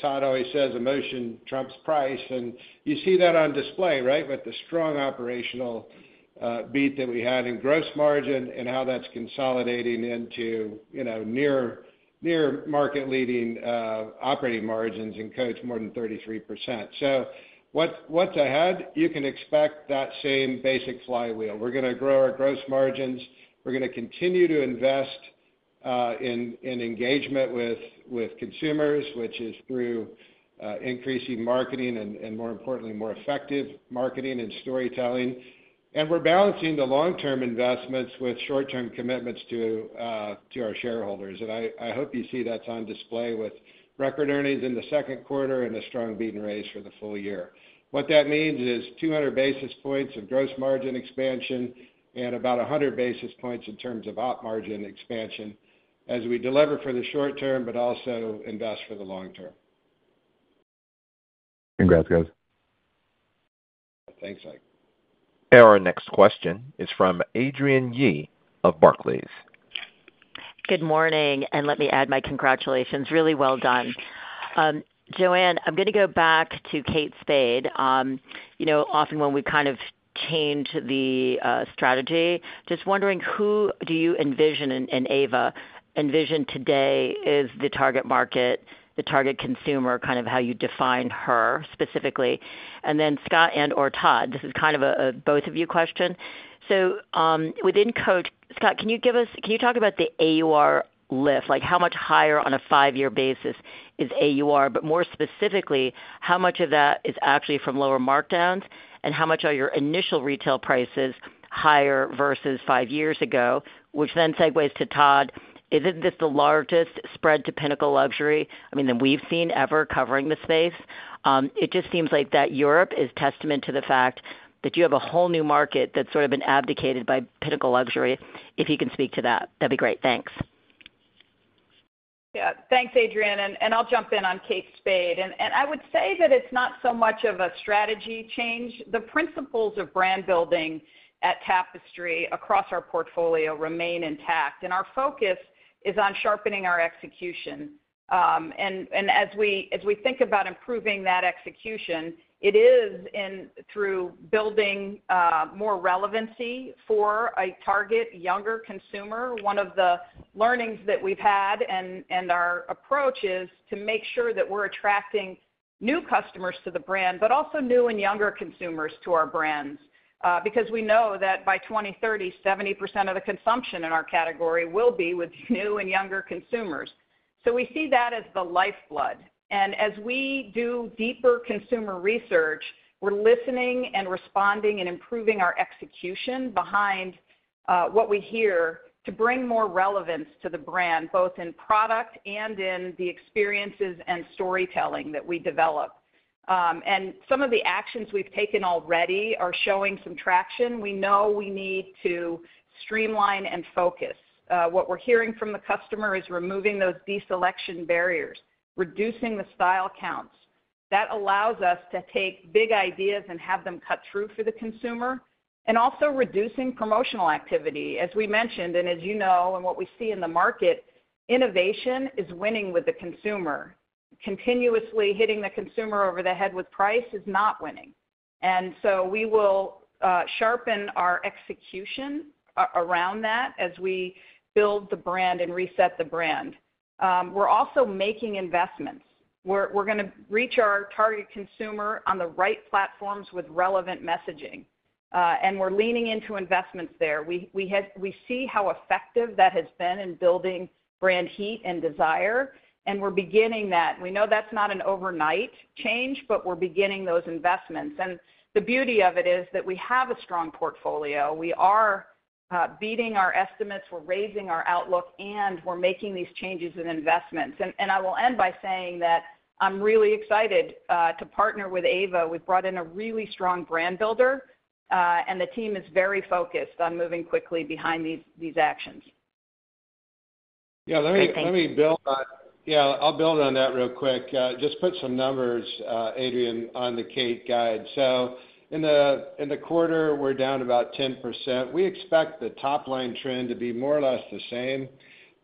Todd always says, emotion trumps price. And you see that on display, right, with the strong operational beat that we had in gross margin and how that's consolidating into near-market-leading operating margins in Coach, more than 33%. So what's ahead? You can expect that same basic flywheel. We're going to grow our gross margins. We're going to continue to invest in engagement with consumers, which is through increasing marketing and, more importantly, more effective marketing and storytelling. And we're balancing the long-term investments with short-term commitments to our shareholders. And I hope you see that's on display with record earnings in the second quarter and a strong beat and raise for the full year. What that means is 200 basis points of gross margin expansion and about 100 basis points in terms of operating margin expansion as we deliver for the short term, but also invest for the long term. Congrats, guys. Thanks, Ike. Our next question is from Adrienne Yih of Barclays. Good morning. And let me add my congratulations. Really well done. Joanne, I'm going to go back to Kate Spade. Often when we kind of change the strategy, just wondering who do you and Eva envision today as the target market, the target consumer, kind of how you define her specifically. And then Scott and/or Todd, this is kind of a both-of-you question. So within Coach, Scott, can you talk about the AUR lift? How much higher on a five-year basis is AUR? But more specifically, how much of that is actually from lower markdowns, and how much are your initial retail prices higher versus five years ago? Which then segues to Todd, isn't this the largest spread to pinnacle luxury, I mean, that we've seen ever covering the space? It just seems like that Europe is testament to the fact that you have a whole new market that's sort of been abdicated by pinnacle luxury. If you can speak to that, that'd be great. Thanks. Yeah. Thanks, Adrienne. And I'll jump in on Kate Spade. And I would say that it's not so much of a strategy change. The principles of brand building at Tapestry across our portfolio remain intact. And our focus is on sharpening our execution. And as we think about improving that execution, it is through building more relevancy for a target younger consumer. One of the learnings that we've had and our approach is to make sure that we're attracting new customers to the brand, but also new and younger consumers to our brands. Because we know that by 2030, 70% of the consumption in our category will be with new and younger consumers. So we see that as the lifeblood. And as we do deeper consumer research, we're listening and responding and improving our execution behind what we hear to bring more relevance to the brand, both in product and in the experiences and storytelling that we develop. And some of the actions we've taken already are showing some traction. We know we need to streamline and focus. What we're hearing from the customer is removing those deselection barriers, reducing the style counts. That allows us to take big ideas and have them cut through for the consumer, and also reducing promotional activity. As we mentioned, and as you know, and what we see in the market, innovation is winning with the consumer. Continuously hitting the consumer over the head with price is not winning. And so we will sharpen our execution around that as we build the brand and reset the brand. We're also making investments. We're going to reach our target consumer on the right platforms with relevant messaging. And we're leaning into investments there. We see how effective that has been in building brand heat and desire, and we're beginning that. We know that's not an overnight change, but we're beginning those investments. And the beauty of it is that we have a strong portfolio. We are beating our estimates. We're raising our outlook, and we're making these changes in investments. And I will end by saying that I'm really excited to partner with Eva. We've brought in a really strong brand builder, and the team is very focused on moving quickly behind these actions. Yeah. Let me build on that real quick. Just put some numbers, Adrienne, on the Kate guide. So in the quarter, we're down about 10%. We expect the top-line trend to be more or less the same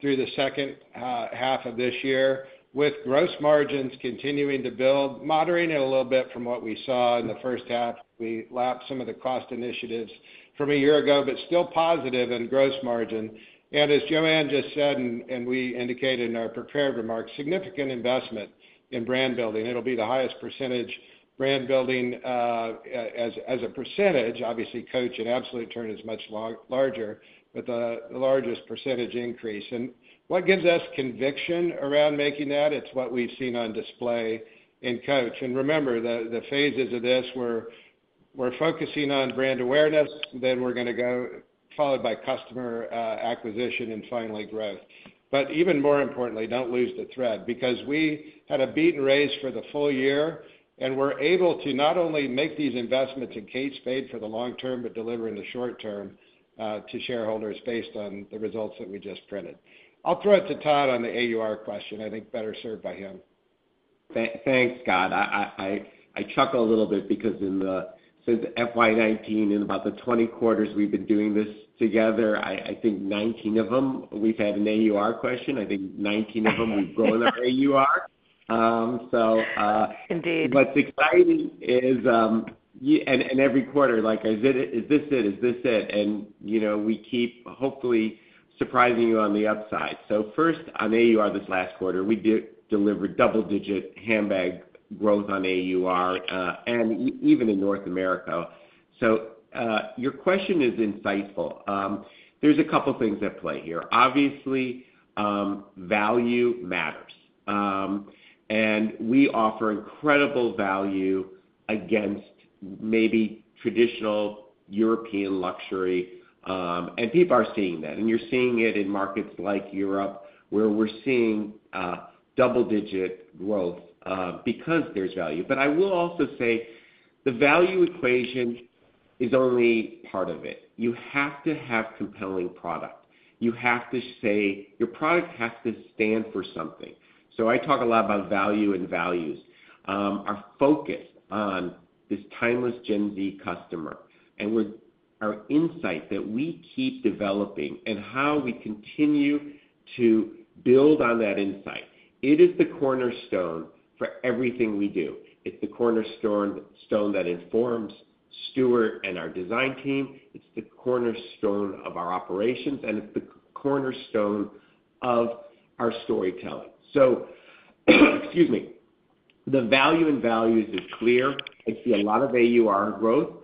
through the second half of this year, with gross margins continuing to build, moderating a little bit from what we saw in the first half. We lapped some of the cost initiatives from a year ago, but still positive in gross margin. And as Joanne just said, and we indicated in our prepared remarks, significant investment in brand building. It'll be the highest percentage brand building as a percentage. Obviously, Coach in absolute terms is much larger, but the largest percentage increase. And what gives us conviction around making that? It's what we've seen on display in Coach. And remember, the phases of this were focusing on brand awareness, then we're going to go followed by customer acquisition and finally growth. But even more importantly, don't lose the thread. Because we had a beat and raise for the full year, and we're able to not only make these investments in Kate Spade for the long term, but deliver in the short term to shareholders based on the results that we just printed. I'll throw it to Todd on the AUR question. I think better served by him. Thanks, Scott. I chuckle a little bit because since FY 2019, in about the 20 quarters we've been doing this together, I think 19 of them, we've had an AUR question. I think 19 of them, we've grown our AUR. So what's exciting is in every quarter, like, "Is this it? Is this it?" And we keep hopefully surprising you on the upside. So first, on AUR this last quarter, we delivered double-digit handbag growth on AUR, and even in North America. So your question is insightful. There's a couple of things at play here. Obviously, value matters. And we offer incredible value against maybe traditional European luxury. And people are seeing that. And you're seeing it in markets like Europe, where we're seeing double-digit growth because there's value. But I will also say the value equation is only part of it. You have to have compelling product. You have to say your product has to stand for something. So I talk a lot about value and values. Our focus on this timeless Gen Z customer and our insight that we keep developing and how we continue to build on that insight. It is the cornerstone for everything we do. It is the cornerstone that informs Stuart and our design team. It is the cornerstone of our operations, and it is the cornerstone of our storytelling. So excuse me. The value in values is clear. I see a lot of AUR growth.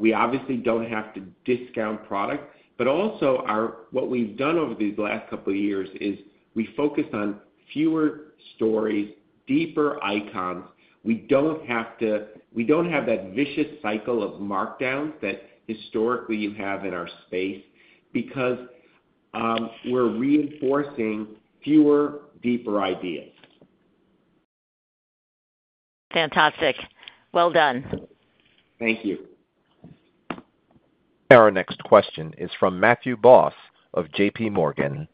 We obviously do not have to discount product. But also, what we have done over these last couple of years is we focus on fewer stories, deeper icons. We do not have that vicious cycle of markdowns that historically you have in our space because we are reinforcing fewer, deeper ideas. Fantastic. Well done. Thank you. Our next question is from Matthew Boss of JPMorgan.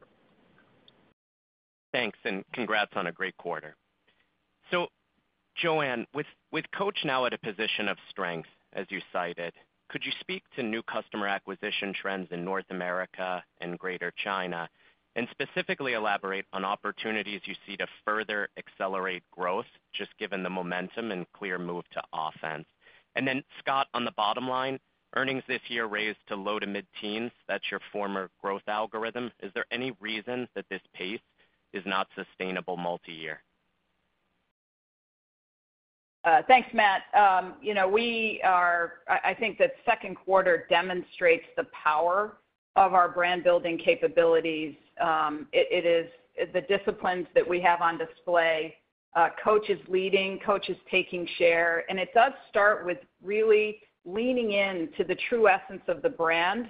Thanks. And congrats on a great quarter. So Joanne, with Coach now at a position of strength, as you cited, could you speak to new customer acquisition trends in North America and Greater China, and specifically elaborate on opportunities you see to further accelerate growth, just given the momentum and clear move to offense? And then, Scott, on the bottom line, earnings this year raised to low to mid-teens. That's your former growth algorithm. Is there any reason that this pace is not sustainable multi-year? Thanks, Matt. I think that second quarter demonstrates the power of our brand building capabilities. It is the disciplines that we have on display. Coach is leading. Coach is taking share. And it does start with really leaning into the true essence of the brand,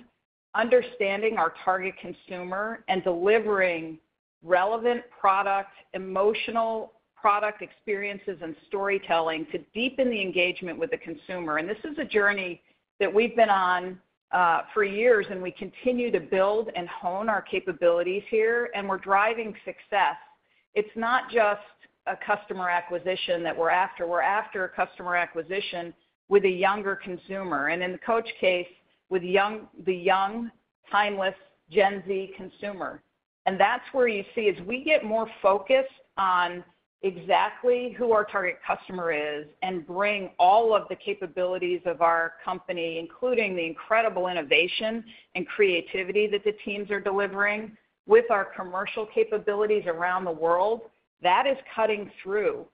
understanding our target consumer, and delivering relevant product, emotional product experiences, and storytelling to deepen the engagement with the consumer. And this is a journey that we've been on for years, and we continue to build and hone our capabilities here, and we're driving success. It's not just a customer acquisition that we're after. We're after a customer acquisition with a younger consumer. And in the Coach case, with the young, timeless Gen Z consumer. And that's where you see as we get more focused on exactly who our target customer is and bring all of the capabilities of our company, including the incredible innovation and creativity that the teams are delivering with our commercial capabilities around the world, that is cutting through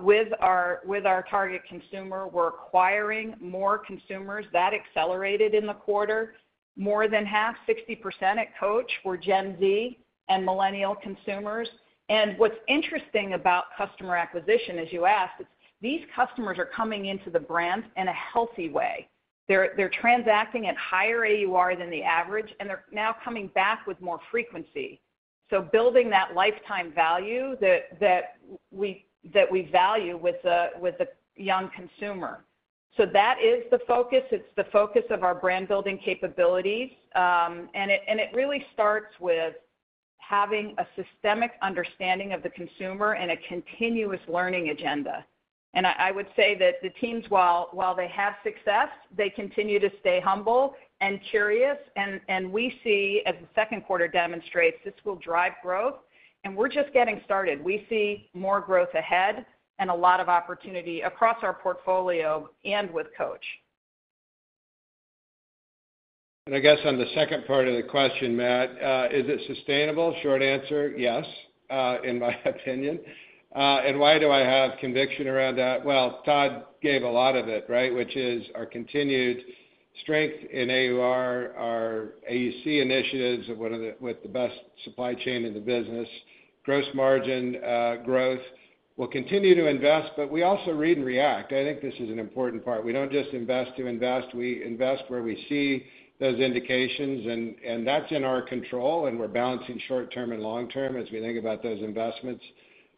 with our target consumer. We're acquiring more consumers. That accelerated in the quarter. More than half, 60% at Coach were Gen Z and millennial consumers, and what's interesting about customer acquisition, as you asked, is these customers are coming into the brand in a healthy way. They're transacting at higher AUR than the average, and they're now coming back with more frequency, so building that lifetime value that we value with the young consumer, so that is the focus. It's the focus of our brand building capabilities, and it really starts with having a systemic understanding of the consumer and a continuous learning agenda, and I would say that the teams, while they have success, they continue to stay humble and curious, and we see, as the second quarter demonstrates, this will drive growth, and we're just getting started. We see more growth ahead and a lot of opportunity across our portfolio and with Coach. And I guess on the second part of the question, Matt, is it sustainable? Short answer, yes, in my opinion. And why do I have conviction around that? Well, Todd gave a lot of it, right, which is our continued strength in AUR, our AUC initiatives with the best supply chain in the business, gross margin growth. We'll continue to invest, but we also read and react. I think this is an important part. We don't just invest to invest. We invest where we see those indications, and that's in our control. And we're balancing short-term and long-term as we think about those investments.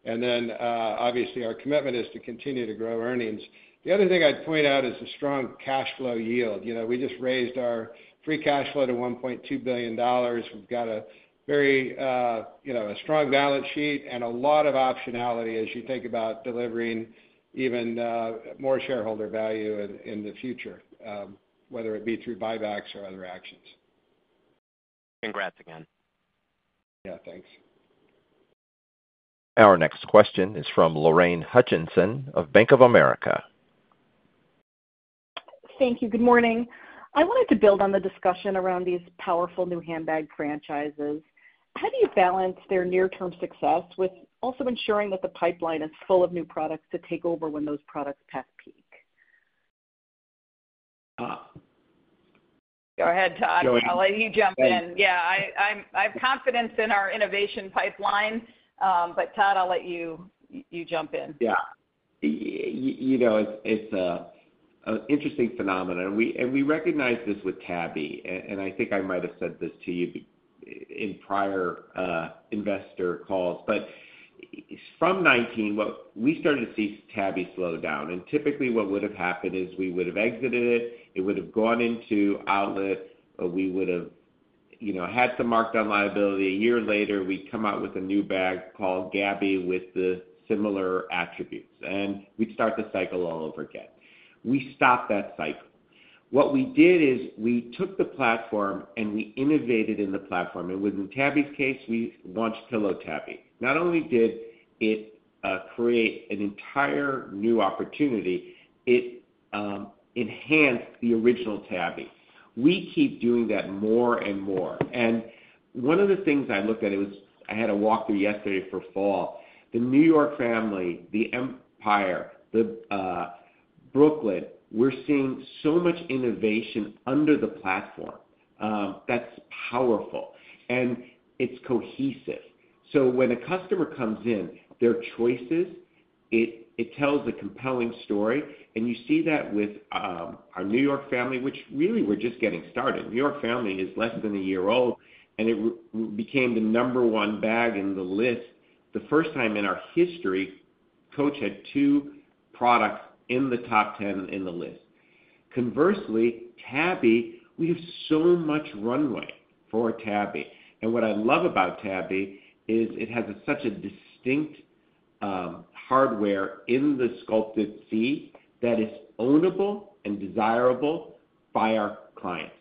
And then, obviously, our commitment is to continue to grow earnings. The other thing I'd point out is the strong cash flow yield. We just raised our free cash flow to $1.2 billion. We've got a very strong balance sheet and a lot of optionality as you think about delivering even more shareholder value in the future, whether it be through buybacks or other actions. Congrats again. Yeah. Thanks. Our next question is from Lorraine Hutchinson of Bank of America. Thank you. Good morning. I wanted to build on the discussion around these powerful new handbag franchises. How do you balance their near-term success with also ensuring that the pipeline is full of new products to take over when those products pass peak? Go ahead, Todd. I'll let you jump in. Yeah. I have confidence in our innovation pipeline, but Todd, I'll let you jump in. Yeah. It's an interesting phenomenon. And we recognize this with Tabby. And I think I might have said this to you in prior investor calls. But from 2019, we started to see Tabby slow down. And typically, what would have happened is we would have exited it. It would have gone into Outlet. We would have had some markdown liability. A year later, we'd come out with a new bag called Gabby with the similar attributes. And we'd start the cycle all over again. We stopped that cycle. What we did is we took the platform and we innovated in the platform. And within Tabby's case, we launched Pillow Tabby. Not only did it create an entire new opportunity, it enhanced the original Tabby. We keep doing that more and more. And one of the things I looked at, I had a walkthrough yesterday for Fall, the New York family, the Empire, the Brooklyn, we're seeing so much innovation under the platform. That's powerful. And it's cohesive. So when a customer comes in, their choices, it tells a compelling story. And you see that with our New York Family, which really we're just getting started. New York Family is less than a year old, and it became the number one bag in the Lyst. The first time in our history, Coach had two products in the top 10 in the Lyst. Conversely, Tabby, we have so much runway for Tabby. And what I love about Tabby is it has such a distinct hardware in the Sculpted C that is ownable and desirable by our clients.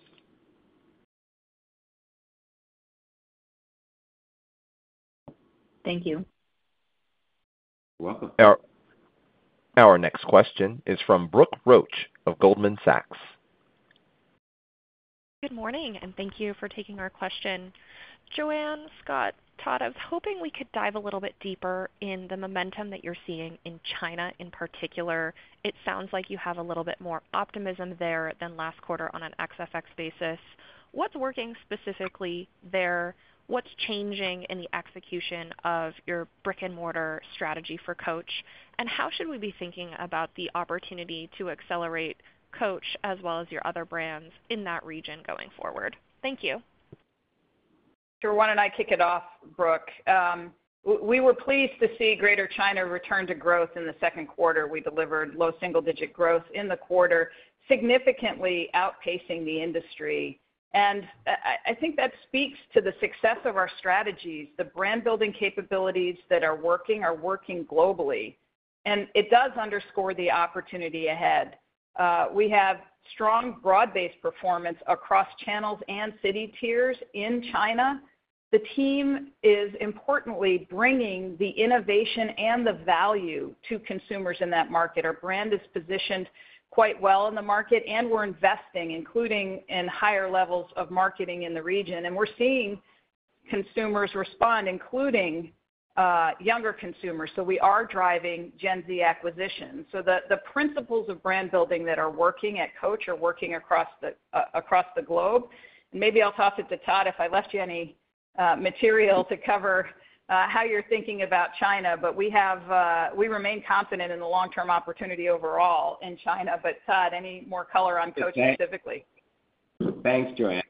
Thank you. You're welcome. Our next question is from Brooke Roach of Goldman Sachs. Good morning. And thank you for taking our question. Joanne, Scott, Todd, I was hoping we could dive a little bit deeper in the momentum that you're seeing in China in particular. It sounds like you have a little bit more optimism there than last quarter on an ex FX basis. What's working specifically there? What's changing in the execution of your brick-and-mortar strategy for Coach? And how should we be thinking about the opportunity to accelerate Coach as well as your other brands in that region going forward? Thank you. Sure. Why don't I kick it off, Brooke? We were pleased to see Greater China return to growth in the second quarter. We delivered low single-digit growth in the quarter, significantly outpacing the industry. And I think that speaks to the success of our strategies, the brand building capabilities that are working globally. And it does underscore the opportunity ahead. We have strong broad-based performance across channels and city tiers in China. The team is importantly bringing the innovation and the value to consumers in that market. Our brand is positioned quite well in the market, and we're investing, including in higher levels of marketing in the region. We're seeing consumers respond, including younger consumers. So we are driving Gen Z acquisition. The principles of brand building that are working at Coach are working across the globe. Maybe I'll toss it to Todd if I left you any material to cover how you're thinking about China. We remain confident in the long-term opportunity overall in China. Todd, any more color on Coach specifically? Thanks, Joanne.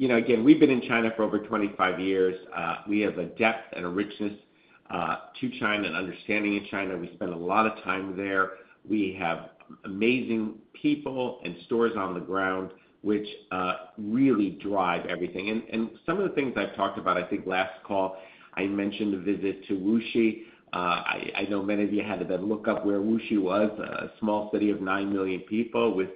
Again, we've been in China for over 25 years. We have a depth and a richness to China and understanding of China. We spend a lot of time there. We have amazing people and stores on the ground, which really drive everything. Some of the things I've talked about, I think last call, I mentioned the visit to Wuxi. I know many of you had a look up where Wuxi was, a small city of nine million people with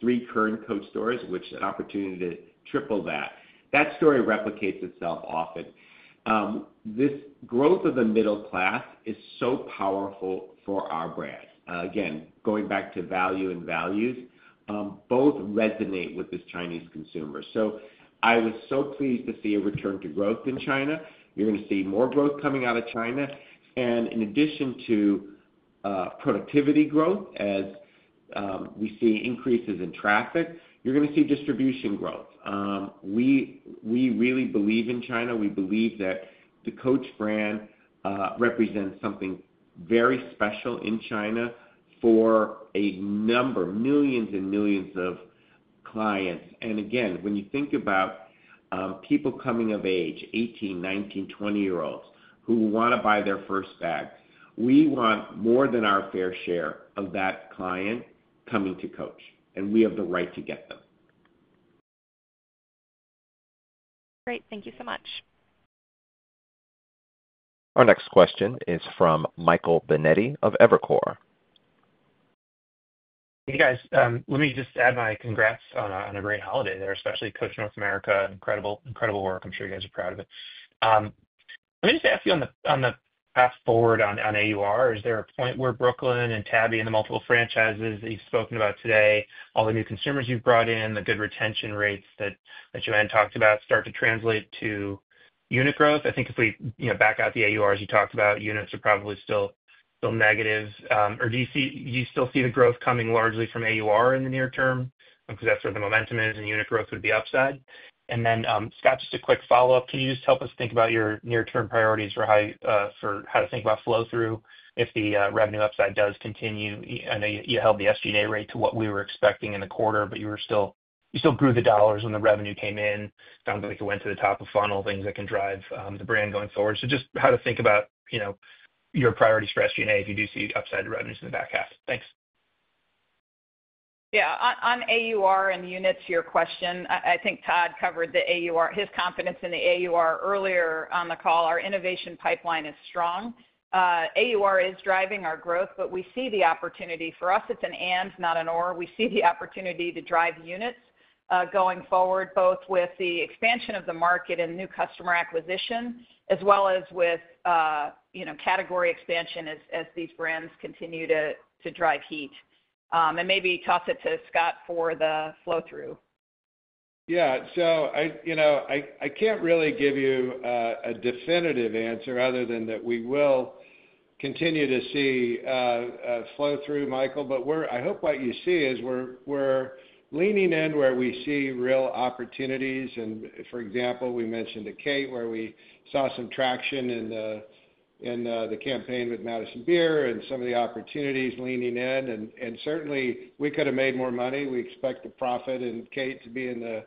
three current Coach stores, which is an opportunity to triple that. That story replicates itself often. This growth of the middle class is so powerful for our brand. Again, going back to value and values, both resonate with this Chinese consumer. So I was so pleased to see a return to growth in China. You're going to see more growth coming out of China. And in addition to productivity growth, as we see increases in traffic, you're going to see distribution growth. We really believe in China. We believe that the Coach brand represents something very special in China for a number, millions and millions of clients. And again, when you think about people coming of age, 18, 19, 20-year-olds who want to buy their first bag, we want more than our fair share of that client coming to Coach. And we have the right to get them. Great. Thank you so much. Our next question is from Michael Binetti of Evercore. Hey, guys. Let me just add my congrats on a great holiday there, especially Coach North America, incredible work. I'm sure you guys are proud of it. Let me just ask you on the path forward on AUR, is there a point where Brooklyn and Tabby and the multiple franchises that you've spoken about today, all the new consumers you've brought in, the good retention rates that Joanne talked about, start to translate to unit growth? I think if we back out the AURs you talked about, units are probably still negative. Or do you still see the growth coming largely from AUR in the near term? Because that's where the momentum is, and unit growth would be upside. And then, Scott, just a quick follow-up. Can you just help us think about your near-term priorities for how to think about flow-through if the revenue upside does continue? I know you held the SG&A rate to what we were expecting in the quarter, but you still grew the dollars when the revenue came in. It sounds like it went to the top of funnel, things that can drive the brand going forward. So just how to think about your priorities for SG&A if you do see upside revenues in the back half. Thanks. Yeah. On AUR and units, your question, I think Todd covered his confidence in the AUR earlier on the call. Our innovation pipeline is strong. AUR is driving our growth, but we see the opportunity. For us, it's an and, not an or. We see the opportunity to drive units going forward, both with the expansion of the market and new customer acquisition, as well as with category expansion as these brands continue to drive heat. And maybe toss it to Scott for the flow-through. Yeah. So I can't really give you a definitive answer other than that we will continue to see flow-through, Michael. But I hope what you see is we're leaning in where we see real opportunities. And for example, we mentioned in Kate where we saw some traction in the campaign with Madison Beer and some of the opportunities leaning in. And certainly, we could have made more money. We expect the profit at Kate to be in the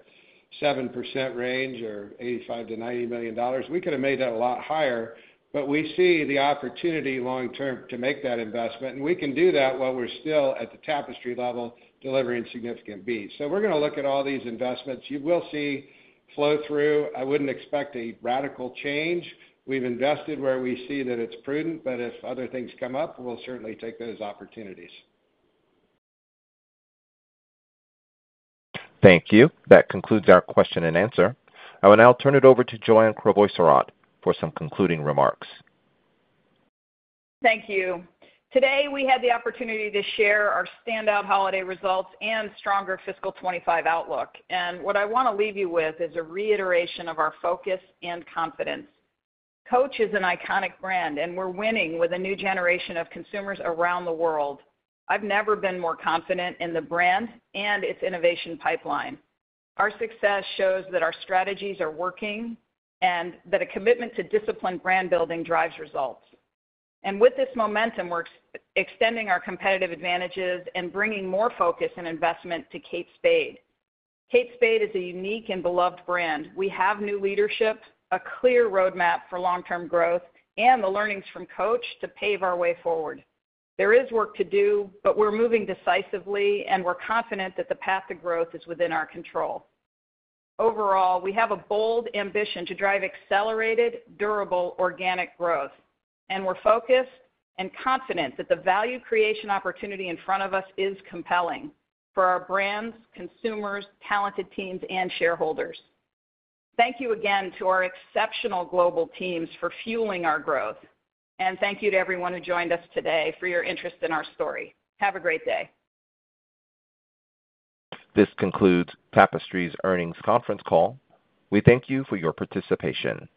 7% range or $85 million-$90 million. We could have made that a lot higher, but we see the opportunity long-term to make that investment. And we can do that while we're still at the Tapestry level delivering significant beats. So we're going to look at all these investments. You will see flow-through. I wouldn't expect a radical change. We've invested where we see that it's prudent. But if other things come up, we'll certainly take those opportunities. Thank you. That concludes our question and answer. And I'll turn it over to Joanne Crevoiserat for some concluding remarks. Thank you. Today, we had the opportunity to share our standout holiday results and stronger fiscal 2025 outlook. And what I want to leave you with is a reiteration of our focus and confidence. Coach is an iconic brand, and we're winning with a new generation of consumers around the world. I've never been more confident in the brand and its innovation pipeline. Our success shows that our strategies are working and that a commitment to disciplined brand building drives results. And with this momentum, we're extending our competitive advantages and bringing more focus and investment to Kate Spade. Kate Spade is a unique and beloved brand. We have new leadership, a clear roadmap for long-term growth, and the learnings from Coach to pave our way forward. There is work to do, but we're moving decisively, and we're confident that the path to growth is within our control. Overall, we have a bold ambition to drive accelerated, durable, organic growth. And we're focused and confident that the value creation opportunity in front of us is compelling for our brands, consumers, talented teams, and shareholders. Thank you again to our exceptional global teams for fueling our growth. Thank you to everyone who joined us today for your interest in our story. Have a great day. This concludes Tapestry's earnings conference call. We thank you for your participation.